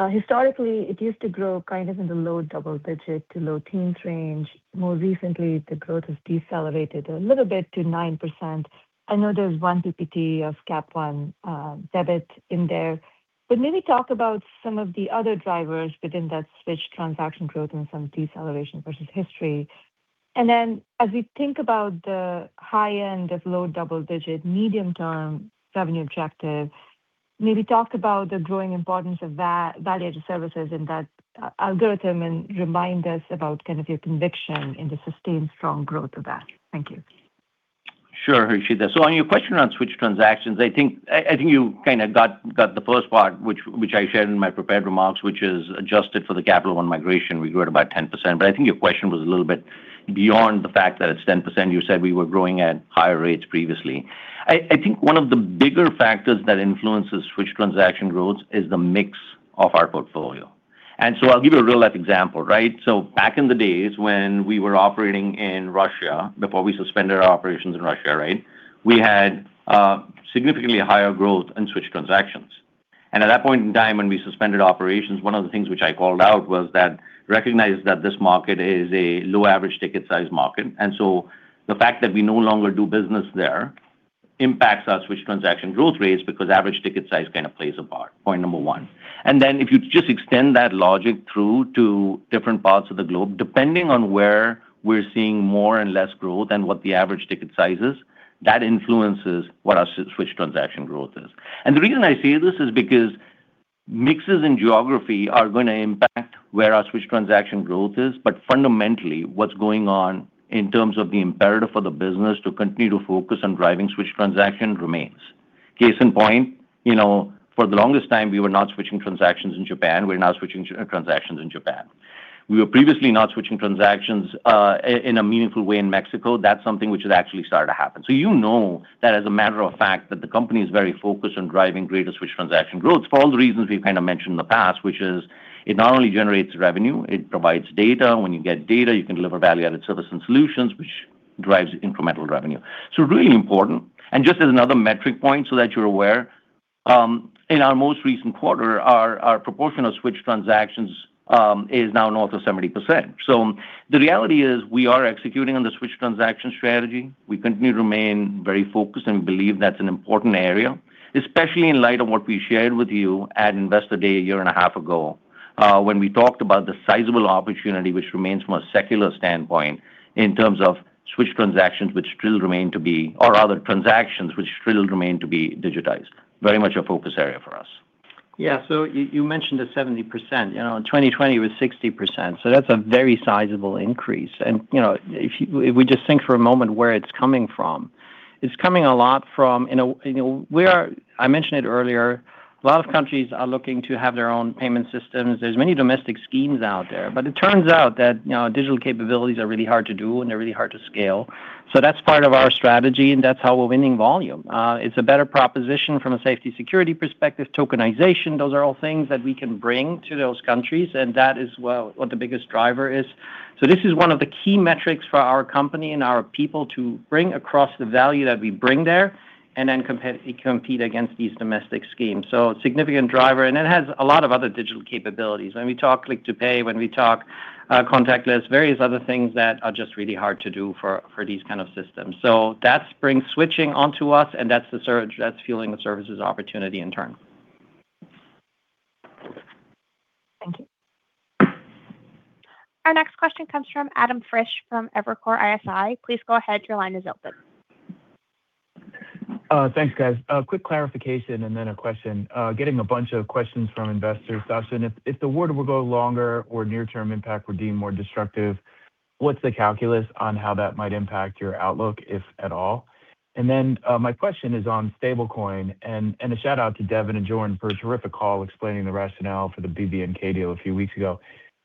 Historically it used to grow kind of in the low double digit to low teen range. More recently the growth has decelerated a little bit to 9%. I know there's 1 PPT of Cap One debit in there. Maybe talk about some of the other drivers within that switch transaction growth and some deceleration versus history. As we think about the high end of low double digit medium term revenue objective, maybe talk about the growing importance of value added services in that algorithm, and remind us about kind of your conviction in the sustained strong growth of that. Thank you. Sure, Harshita. On your question on switch transactions, I think you kind of got the first part, which I shared in my prepared remarks, which is adjusted for the Capital One migration, we grew at about 10%. I think your question was a little bit beyond the fact that it's 10%. You said we were growing at higher rates previously. I think one of the bigger factors that influences switch transaction growth is the mix of our portfolio. I'll give you a real life example, right? Back in the days when we were operating in Russia, before we suspended our operations in Russia, right, we had significantly higher growth in switch transactions. At that point in time when we suspended operations, one of the things which I called out was that recognize that this market is a low average ticket size market. The fact that we no longer do business there impacts our switch transaction growth rates because average ticket size kind of plays a part, point number one. Then if you just extend that logic through to different parts of the globe, depending on where we're seeing more and less growth and what the average ticket size is, that influences what our switch transaction growth is. The reason I say this is because mixes in geography are going to impact where our switch transaction growth is. Fundamentally, what's going on in terms of the imperative for the business to continue to focus on driving switch transaction remains. Case in point, you know, for the longest time we were not switching transactions in Japan. We're now switching transactions in Japan. We were previously not switching transactions in a meaningful way in Mexico. That's something which has actually started to happen. You know that as a matter of fact that the company is very focused on driving greater switch transaction growth for all the reasons we've kind of mentioned in the past, which is it not only generates revenue, it provides data. When you get data you can deliver value added service and solutions which drives incremental revenue. Really important. Just as another metric point so that you're aware, in our most recent quarter our proportion of switch transactions is now north of 70%. The reality is we are executing on the switch transaction strategy. We continue to remain very focused and believe that's an important area, especially in light of what we shared with you at Investor Day 1.5 year ago, when we talked about the sizable opportunity which remains from a secular standpoint in terms of transactions which still remain to be digitized. Very much a focus area for us. Yeah. You mentioned the 70%. You know, in 2020 it was 60%, that's a very sizable increase. You know, if you, if we just think for a moment where it's coming from. It's coming a lot from. We are, I mentioned it earlier, a lot of countries are looking to have their own payment systems. There's many domestic schemes out there. It turns out that, you know, digital capabilities are really hard to do and they're really hard to scale. That's part of our strategy and that's how we're winning volume. It's a better proposition from a safety security perspective, tokenization. Those are all things that we can bring to those countries, that is where what the biggest driver is. This is one of the key metrics for our company and our people to bring across the value that we bring there and then compete against these domestic schemes. Significant driver, and it has a lot of other digital capabilities. When we talk Click to Pay, when we talk contactless, various other things that are just really hard to do for these kind of systems. That brings switching onto us and that's the surge that's fueling the services opportunity in turn. Thank you. Our next question comes from Adam Frisch from Evercore ISI. Please go ahead, your line is open. Thanks guys. A quick clarification and then a question. Getting a bunch of questions from investors, Sachin, if the war will go longer or near term impact were deemed more destructive, what's the calculus on how that might impact your outlook, if at all? My question is on stablecoin. A shout out to Devin and Jordan for a terrific call explaining the rationale for the BVNK deal a few weeks ago.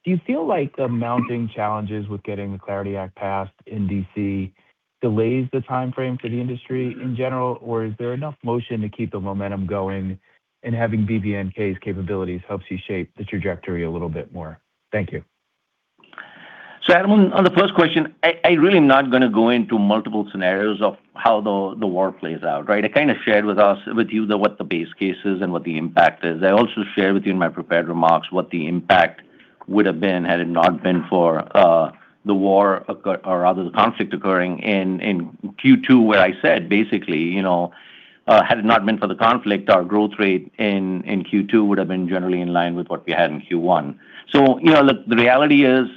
Do you feel like the mounting challenges with getting the CLARITY Act passed in D.C. delays the timeframe for the industry in general, or is there enough motion to keep the momentum going and having BVNK's capabilities helps you shape the trajectory a little bit more? Thank you. Adam, on the first question, I really am not gonna go into multiple scenarios of how the war plays out, right? I kind of shared with you what the base case is and what the impact is. I also shared with you in my prepared remarks what the impact would have been had it not been for the war or rather the conflict occurring in Q2, where I said basically, you know, had it not been for the conflict our growth rate in Q2 would have been generally in line with what we had in Q1. You know, look, the reality is.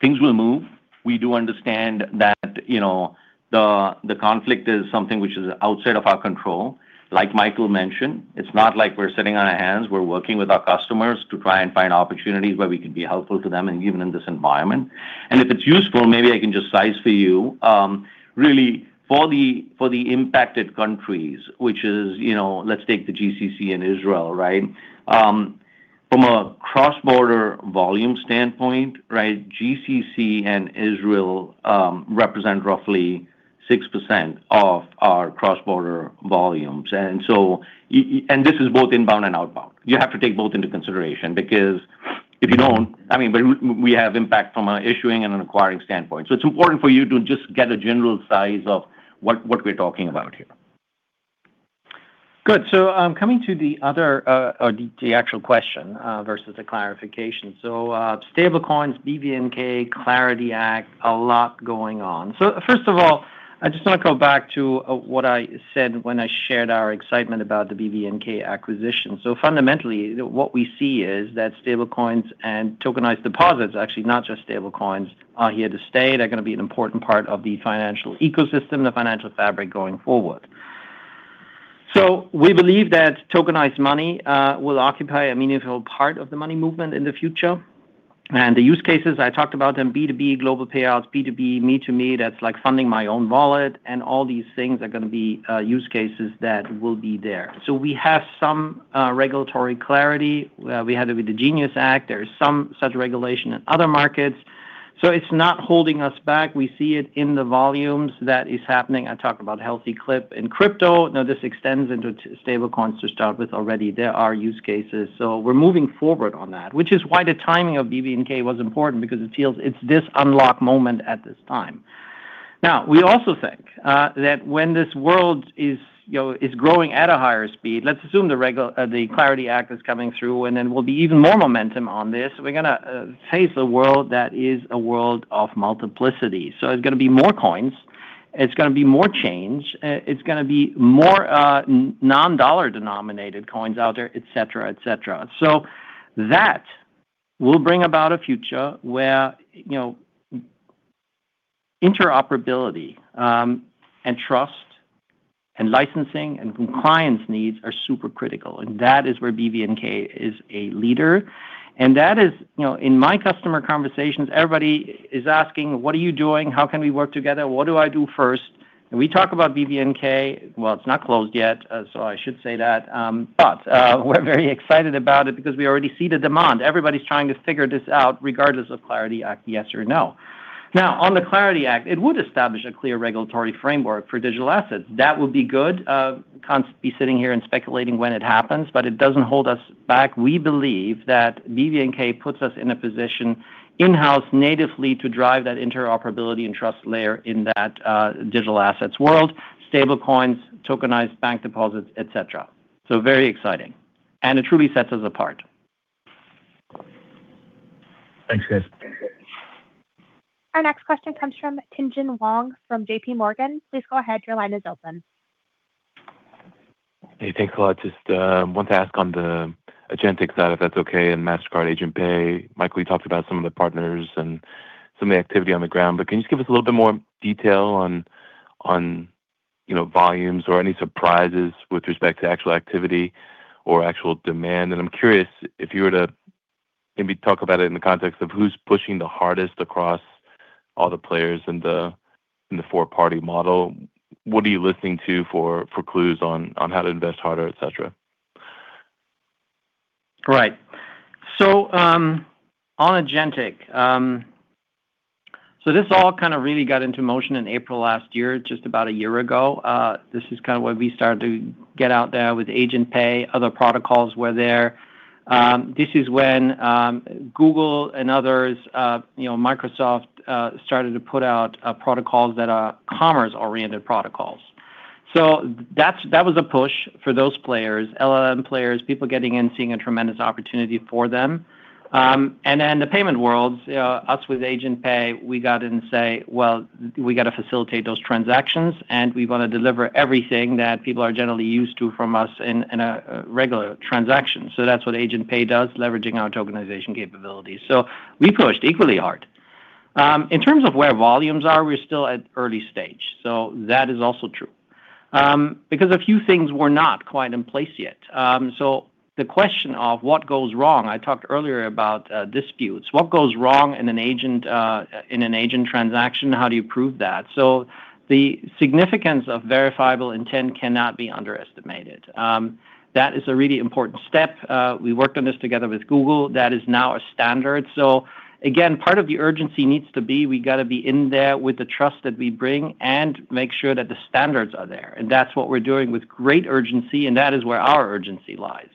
Things will move. We do understand that, you know, the conflict is something which is outside of our control, like Michael mentioned. It's not like we're sitting on our hands. We're working with our customers to try and find opportunities where we can be helpful to them and even in this environment. If it's useful, maybe I can just size for you really for the impacted countries, which is, let's take the GCC and Israel. From a cross-border volume standpoint, GCC and Israel represent roughly 6% of our cross-border volumes. This is both inbound and outbound. You have to take both into consideration because if you don't, we have impact from a issuing and an acquiring standpoint. It's important for you to just get a general size of what we're talking about here. Good. Coming to the other, or the actual question, versus the clarification. Stablecoins, BVNK, CLARITY Act, a lot going on. First of all, I just wanna go back to what I said when I shared our excitement about the BVNK acquisition. Fundamentally, what we see is that stablecoins and tokenized deposits, actually, not just stablecoins, are here to stay. They're gonna be an important part of the financial ecosystem, the financial fabric going forward. We believe that tokenized money will occupy a meaningful part of the money movement in the future. The use cases, I talked about them, B2B global payouts, B2B Me2Me, that's like funding my own wallet, and all these things are gonna be use cases that will be there. We have some regulatory clarity. We had it with the GENIUS Act. There's some such regulation in other markets, so it's not holding us back. We see it in the volumes that is happening. I talked about healthy clip in crypto. This extends into stablecoins to start with. Already there are use cases, so we're moving forward on that, which is why the timing of BVNK was important because it feels it's this unlock moment at this time. We also think, that when this world is, you know, is growing at a higher speed, let's assume the CLARITY Act is coming through, and then we'll be even more momentum on this. We're gonna face a world that is a world of multiplicity. There's gonna be more coins, it's gonna be more change, it's gonna be more non-dollar denominated coins out there, et cetera, et cetera. That will bring about a future where, you know, interoperability, and trust and licensing and compliance needs are super critical, and that is where BVNK is a leader. That is, you know, in my customer conversations, everybody is asking, "What are you doing? How can we work together? What do I do first?" We talk about BVNK. Well, it's not closed yet, I should say that. We're very excited about it because we already see the demand. Everybody's trying to figure this out regardless of CLARITY Act, yes or no. On the CLARITY Act, it would establish a clear regulatory framework for digital assets. That would be good. Can't be sitting here and speculating when it happens, but it doesn't hold us back. We believe that BVNK puts us in a position in-house natively to drive that interoperability and trust layer in that digital assets world, stablecoins, tokenized bank deposits, et cetera. Very exciting, and it truly sets us apart. Thanks, guys. Our next question comes from Tien-Tsin Huang from JPMorgan. Please go ahead, your line is open. Hey, thanks a lot. Just want to ask on the agentic side, if that's okay, and Mastercard Agent Pay. Michael, you talked about some of the partners and some of the activity on the ground, but can you just give us a little bit more detail on, you know, volumes or any surprises with respect to actual activity or actual demand? I'm curious if you were to maybe talk about it in the context of who's pushing the hardest across all the players in the four-party model. What are you listening to for clues on how to invest harder, et cetera? Right. On agentic, this all kind of really got into motion in April last year, just about a year ago. This is kind of when we started to get out there with Agent Pay. Other protocols were there. This is when Google and others, you know, Microsoft, started to put out protocols that are commerce-oriented protocols. That's, that was a push for those players, LLM players, people getting in, seeing a tremendous opportunity for them. And then the payment world, us with Agent Pay, we got in and say, Well, we gotta facilitate those transactions, and we wanna deliver everything that people are generally used to from us in, a regular transaction. That's what Agent Pay does, leveraging our tokenization capabilities. We pushed equally hard. In terms of where volumes are, we're still at early stage, that is also true. Because a few things were not quite in place yet. The question of what goes wrong, I talked earlier about disputes. What goes wrong in an agent, in an agent transaction? How do you prove that? The significance of Verifiable Intent cannot be underestimated. That is a really important step. We worked on this together with Google. That is now a standard. Again, part of the urgency needs to be, we gotta be in there with the trust that we bring and make sure that the standards are there. That's what we're doing with great urgency, that is where our urgency lies.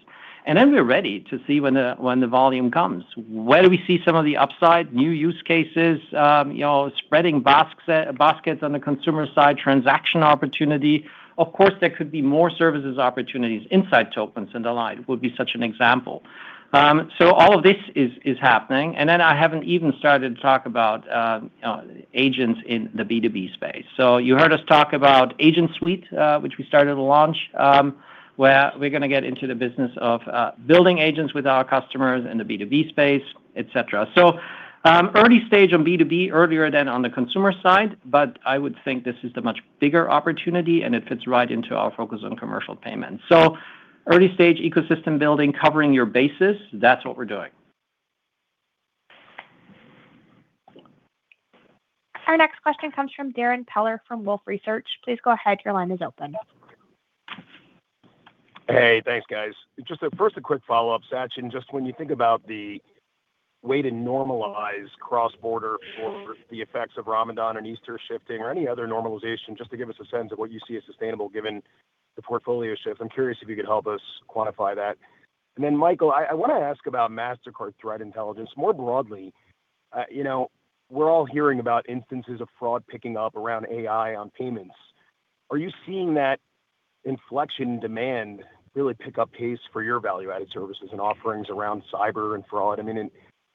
We're ready to see when the, when the volume comes. Where do we see some of the upside? New use cases, you know, spreading baskets on the consumer side, transaction opportunity. Of course, there could be more services opportunities inside tokens, and the line would be such an example. All of this is happening, and then I haven't even started to talk about agents in the B2B space. You heard us talk about Agent Suite, which we started to launch. Where we're gonna get into the business of building agents with our customers in the B2B space, et cetera. Early stage on B2B, earlier than on the consumer side, but I would think this is the much bigger opportunity, and it fits right into our focus on commercial payments. Early stage ecosystem building, covering your bases, that's what we're doing. Our next question comes from Darrin Peller from Wolfe Research. Please go ahead, your line is open. Hey, thanks guys. Just first a quick follow-up, Sachin, just when you think about the way to normalize cross-border or the effects of Ramadan and Easter shifting or any other normalization, just to give us a sense of what you see as sustainable given the portfolio shift. I'm curious if you could help us quantify that. Then Michael, I want to ask about Mastercard Threat Intelligence more broadly. You know, we're all hearing about instances of fraud picking up around AI on payments. Are you seeing that inflection demand really pick up pace for your value-added services and offerings around cyber and fraud? I mean,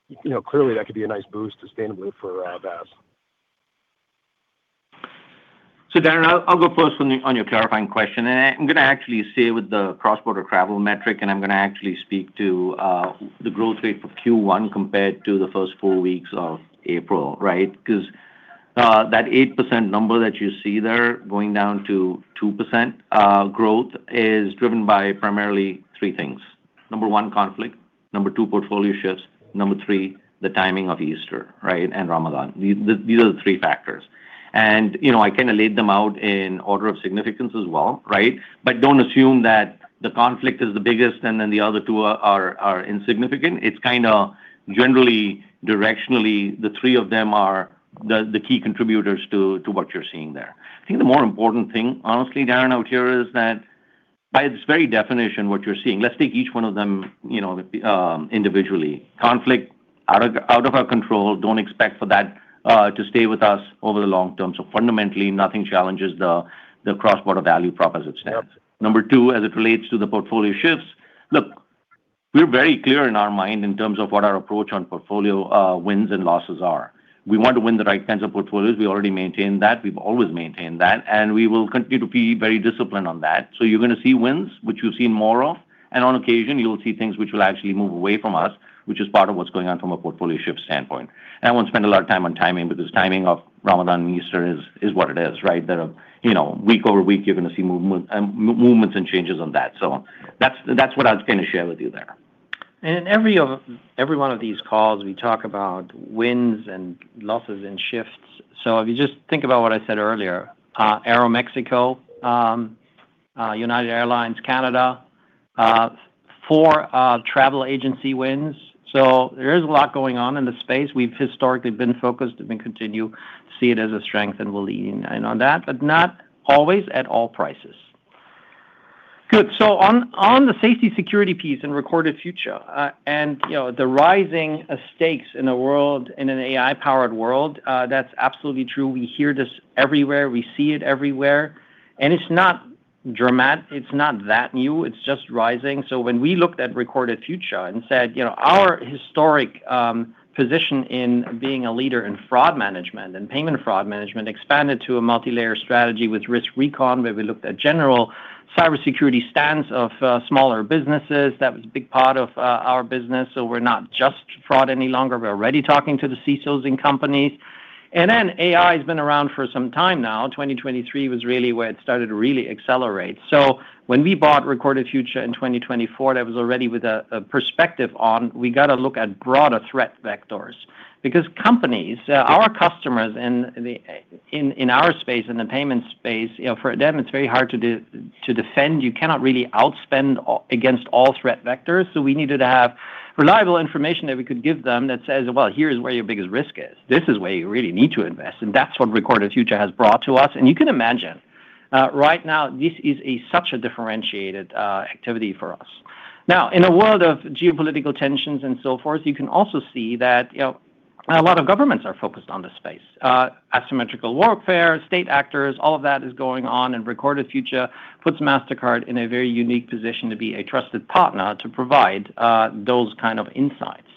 you know, clearly that could be a nice boost sustainably for VAS. Darrin, I'll go first on the, on your clarifying question. I'm gonna actually stay with the cross-border travel metric, and I'm gonna actually speak to the growth rate for Q1 compared to the first four weeks of April, right? 'Cause that 8% number that you see there going down to 2% growth is driven by primarily three things. Number one, conflict, number two, portfolio shifts, number three, the timing of Easter, right, and Ramadan. These are the three factors. You know, I kinda laid them out in order of significance as well, right? Don't assume that the conflict is the biggest and then the other two are insignificant. It's kinda generally directionally the three of them are the key contributors to what you're seeing there. I think the more important thing, honestly, Darrin, out here is that by its very definition, what you're seeing, let's take each one of them, you know, individually. Conflict out of, out of our control, don't expect for that to stay with us over the long term. Fundamentally, nothing challenges the cross-border value prop as it stands. Number two, as it relates to the portfolio shifts, look, we're very clear in our mind in terms of what our approach on portfolio wins and losses are. We want to win the right kinds of portfolios. We already maintain that. We've always maintained that, and we will continue to be very disciplined on that. You're gonna see wins, which you'll see more of, and on occasion you'll see things which will actually move away from us, which is part of what's going on from a portfolio shift standpoint. I won't spend a lot of time on timing because timing of Ramadan and Easter is what it is, right? They're, you know, week-over-week you're gonna see movements and changes on that. That's, that's what I was gonna share with you there. In every one of these calls we talk about wins and losses and shifts. If you just think about what I said earlier, Aeromexico, United Airlines Canada, four travel agency wins. There is a lot going on in the space. We've historically been focused and continue to see it as a strength, and we're leaning in on that, but not always at all prices. Good. On the safety security piece and Recorded Future, and, you know, the rising of stakes in a world, in an AI-powered world, that's absolutely true. We hear this everywhere. We see it everywhere. It's not that new, it's just rising. When we looked at Recorded Future and said, you know, our historic position in being a leader in fraud management and payment fraud management expanded to a multi-layer strategy with RiskRecon, where we looked at general cybersecurity stance of smaller businesses, that was a big part of our business. We're not just fraud any longer. We're already talking to the CISOs in companies. AI's been around for some time now. 2023 was really where it started to really accelerate. When we bought Recorded Future in 2024, that was already with a perspective on we gotta look at broader threat vectors. Because companies, our customers in the payment space, you know, for them it's very hard to defend. You cannot really outspend against all threat vectors. We needed to have reliable information that we could give them that says, "Well, here's where your biggest risk is. This is where you really need to invest." That's what Recorded Future has brought to us. You can imagine, right now this is a such a differentiated activity for us. Now, in a world of geopolitical tensions and so forth, you can also see that, you know, a lot of governments are focused on this space. Asymmetrical warfare, state actors, all of that is going on, and Recorded Future puts Mastercard in a very unique position to be a trusted partner to provide those kind of insights.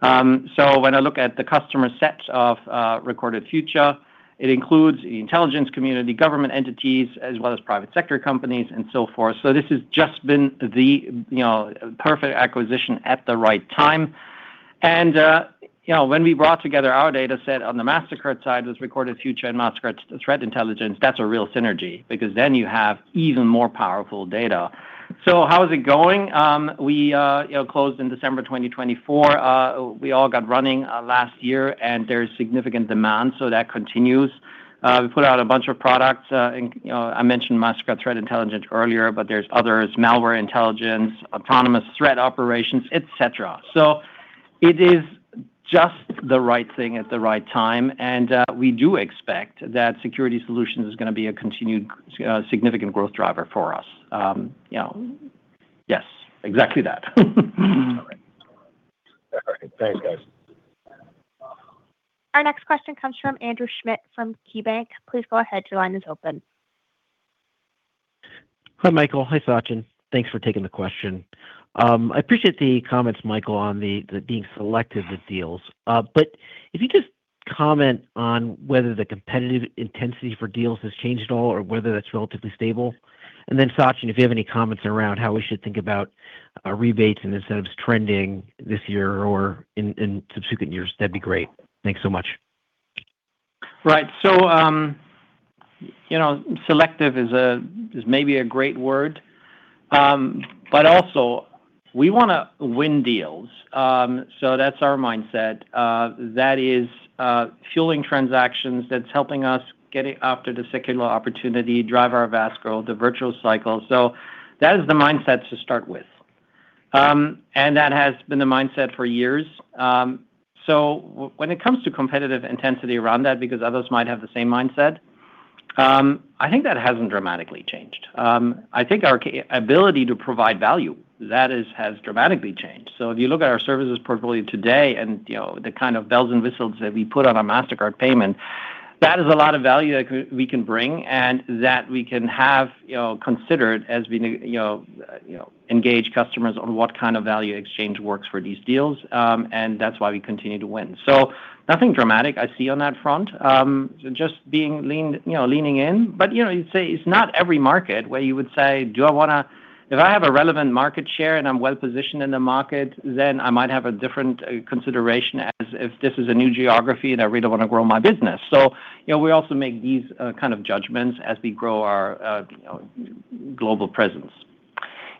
When I look at the customer set of Recorded Future, it includes the intelligence community, government entities, as well as private sector companies and so forth. This has just been the, you know, perfect acquisition at the right time. You know, when we brought together our data set on the Mastercard side with Recorded Future and Mastercard's Threat Intelligence, that's a real synergy because then you have even more powerful data. How is it going? We, you know, closed in December 2024. We all got running last year, and there's significant demand, so that continues. We put out a bunch of products, you know, I mentioned Mastercard Threat Intelligence earlier, but there's others, Malware Intelligence, Autonomous Threat Operations, et cetera. It is just the right thing at the right time, and we do expect that security solutions is gonna be a continued significant growth driver for us. You know. Yes, exactly that. All right. All right. Thanks guys. Our next question comes from Andrew Schmidt from KeyBanc. Hi, Michael. Hi, Sachin. Thanks for taking the question. I appreciate the comments, Michael, on the being selective with deals. But if you just comment on whether the competitive intensity for deals has changed at all or whether that's relatively stable. Then Sachin, if you have any comments around how we should think about rebates and incentives trending this year or in subsequent years, that'd be great. Thanks so much. Right. You know, selective is maybe a great word. Also we wanna win deals. That's our mindset. That is fueling transactions, that's helping us getting after the secular opportunity, drive our VASS, the virtual cycle. That is the mindset to start with. That has been the mindset for years. When it comes to competitive intensity around that because others might have the same mindset, I think that hasn't dramatically changed. I think our ability to provide value, that is, has dramatically changed. If you look at our services portfolio today and, you know, the kind of bells and whistles that we put on a Mastercard payment, that is a lot of value that we can bring, and that we can have, you know, considered as we you know, engage customers on what kind of value exchange works for these deals. That's why we continue to win. Nothing dramatic I see on that front. Just being leaned, you know, leaning in. You know, you'd say it's not every market where you would say, If I have a relevant market share and I'm well positioned in the market, then I might have a different consideration as if this is a new geography and I really wanna grow my business. You know, we also make these, kind of judgments as we grow our, you know, global presence.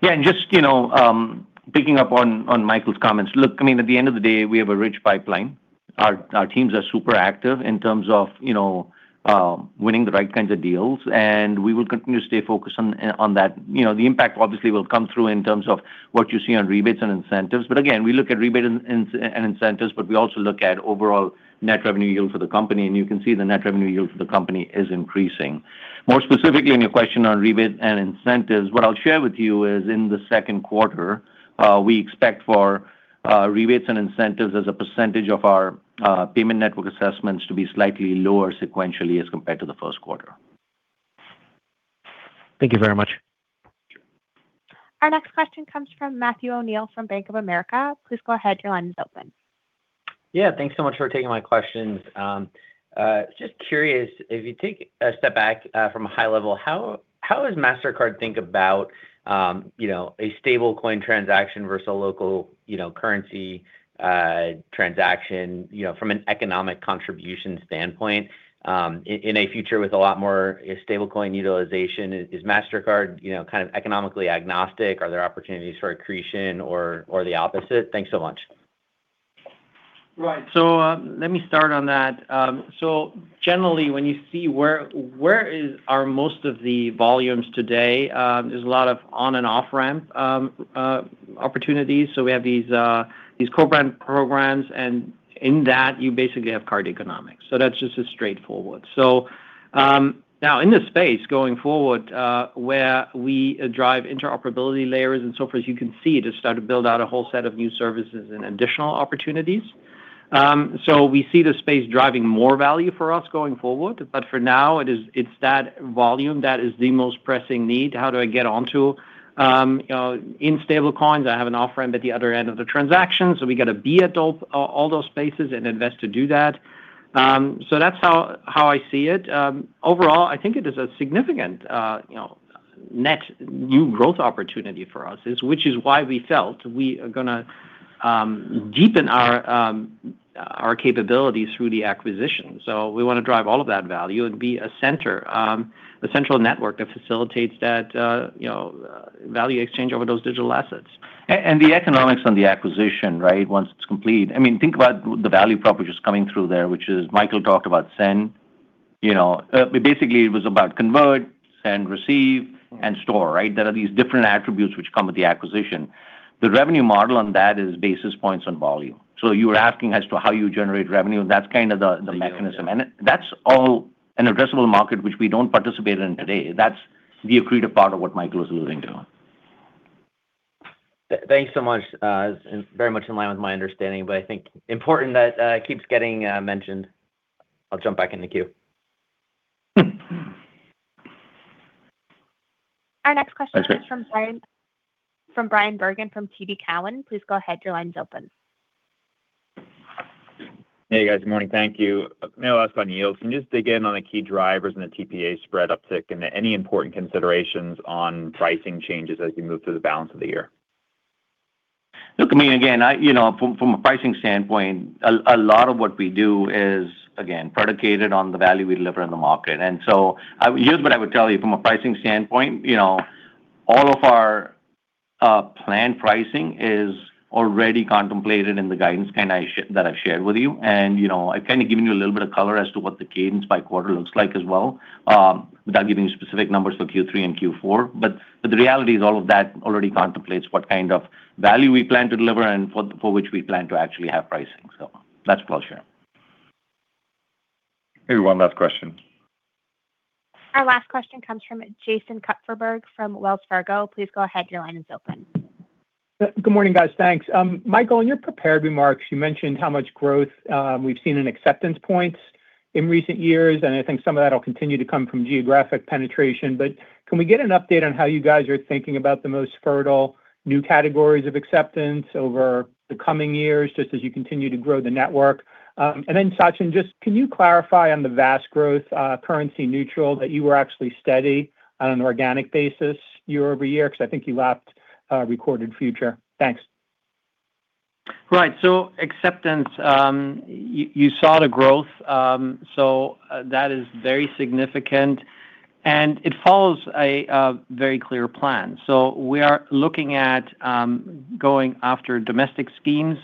Yeah. Just, you know, picking up on Michael's comments. Look, I mean, at the end of the day, we have a rich pipeline. Our teams are super active in terms of, you know, winning the right kinds of deals, and we will continue to stay focused on that. You know, the impact obviously will come through in terms of what you see on rebates and incentives. Again, we look at rebate and incentives, but we also look at overall net revenue yield for the company, and you can see the net revenue yield for the company is increasing. More specifically on your question on rebate and incentives, what I'll share with you is in the second quarter, we expect for rebates and incentives as a percentage of our payment network assessments to be slightly lower sequentially as compared to the first quarter. Thank you very much. Our next question comes from Matthew O'Neill from Bank of America. Please go ahead, your line is open. Yeah. Thanks so much for taking my questions. Just curious, if you take a step back, from a high level, how does Mastercard think about, you know, a stablecoin transaction versus a local, you know, currency transaction, you know, from an economic contribution standpoint? In a future with a lot more stablecoin utilization, is Mastercard, you know, kind of economically agnostic? Are there opportunities for accretion or the opposite? Thanks so much. Right. Let me start on that. Generally when you see where is our most of the volumes today, there's a lot of on and off ramp opportunities. We have these co-brand programs, and in that you basically have card economics. That's just a straightforward. Now in this space going forward, where we drive interoperability layers and so forth, as you can see, to start to build out a whole set of new services and additional opportunities. We see the space driving more value for us going forward. For now it is, it's that volume that is the most pressing need. How do I get onto in stablecoins? I have an off ramp at the other end of the transaction, we gotta be at all those spaces and invest to do that. That's how I see it. Overall, I think it is a significant, you know, net new growth opportunity for us is, which is why we felt we are gonna deepen our capabilities through the acquisition. We wanna drive all of that value and be a central network that facilitates that, you know, value exchange over those digital assets. The economics on the acquisition, right? Once it's complete. I mean, think about the value proposition coming through there, which is Michael talked about send. You know, basically it was about convert, send, receive, and store, right? There are these different attributes which come with the acquisition. The revenue model on that is basis points on volume. You were asking as to how you generate revenue, and that's kind of the mechanism. That's all an addressable market which we don't participate in today. That's the accretive part of what Michael was alluding to. Thanks so much. Very much in line with my understanding, but I think important that it keeps getting mentioned. I'll jump back in the queue. Our next question- That's great. -is from Bryan Bergin, from TD Cowen. Please go ahead, your line's open. Hey, guys. Good morning. Thank you. May I ask on yields, can you just dig in on the key drivers and the TPA spread uptick and any important considerations on pricing changes as you move through the balance of the year? Look, I mean, again, I, you know, from a pricing standpoint, a lot of what we do is again, predicated on the value we deliver in the market. Here's what I would tell you from a pricing standpoint. You know, all of our planned pricing is already contemplated in the guidance that I've shared with you. You know, I've kind of given you a little bit of color as to what the cadence by quarter looks like as well, without giving you specific numbers for Q3 and Q4. The reality is all of that already contemplates what kind of value we plan to deliver and for which we plan to actually have pricing. That's all I'll share. Maybe one last question. Our last question comes from Jason Kupferberg from Wells Fargo. Please go ahead, your line is open. Good morning, guys. Thanks. Michael, in your prepared remarks, you mentioned how much growth we've seen in acceptance points in recent years, and I think some of that will continue to come from geographic penetration, but can we get an update on how you guys are thinking about the most fertile new categories of acceptance over the coming years, just as you continue to grow the network? Sachin, just can you clarify on the VASS growth, currency neutral that you were actually steady on an organic basis year-over-year? Because I think you lapped Recorded Future. Thanks. Right. Acceptance, you saw the growth, so that is very significant, and it follows a very clear plan. We are looking at going after domestic schemes,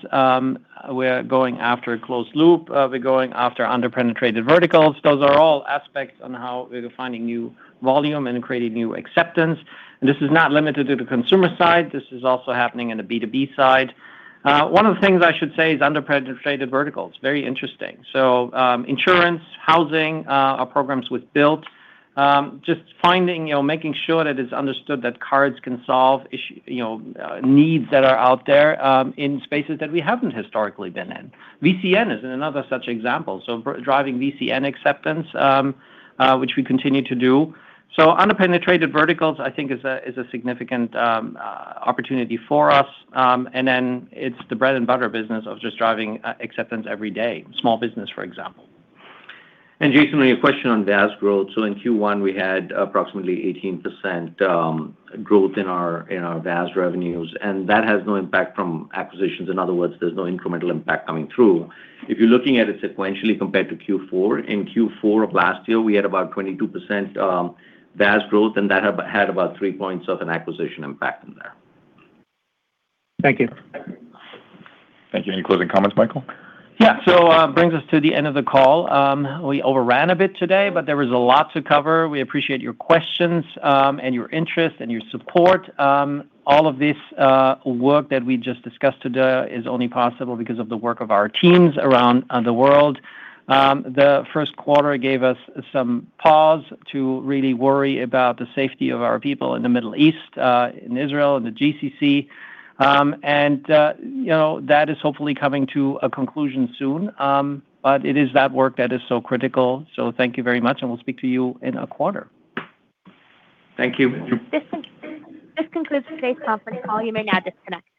we're going after closed loop, we're going after under-penetrated verticals. Those are all aspects on how we're defining new volume and creating new acceptance. This is not limited to the consumer side. This is also happening in the B2B side. One of the things I should say is under-penetrated verticals, very interesting. Insurance, housing, our programs with Bilt, just finding, you know, making sure that it's understood that cards can solve you know, needs that are out there, in spaces that we haven't historically been in. VCN is another such example, so driving VCN acceptance, which we continue to do. Under-penetrated verticals, I think is a significant opportunity for us. It's the bread and butter business of just driving acceptance every day. Small business, for example. Jason, on your question on VAS growth. In Q1, we had approximately 18% growth in our VAS revenues. That has no impact from acquisitions. In other words, there's no incremental impact coming through. If you're looking at it sequentially compared to Q4, in Q4 of last year, we had about 22% VAS growth. That had about 3 points of an acquisition impact in there. Thank you. Thank you. Any closing comments, Michael? Brings us to the end of the call. We overran a bit today, but there was a lot to cover. We appreciate your questions, and your interest and your support. All of this work that we just discussed today is only possible because of the work of our teams around the world. The first quarter gave us some pause to really worry about the safety of our people in the Middle East, in Israel and the GCC. And, you know, that is hopefully coming to a conclusion soon. It is that work that is so critical. Thank you very much, and we'll speak to you in a quarter. Thank you. This concludes today's conference call. You may now disconnect.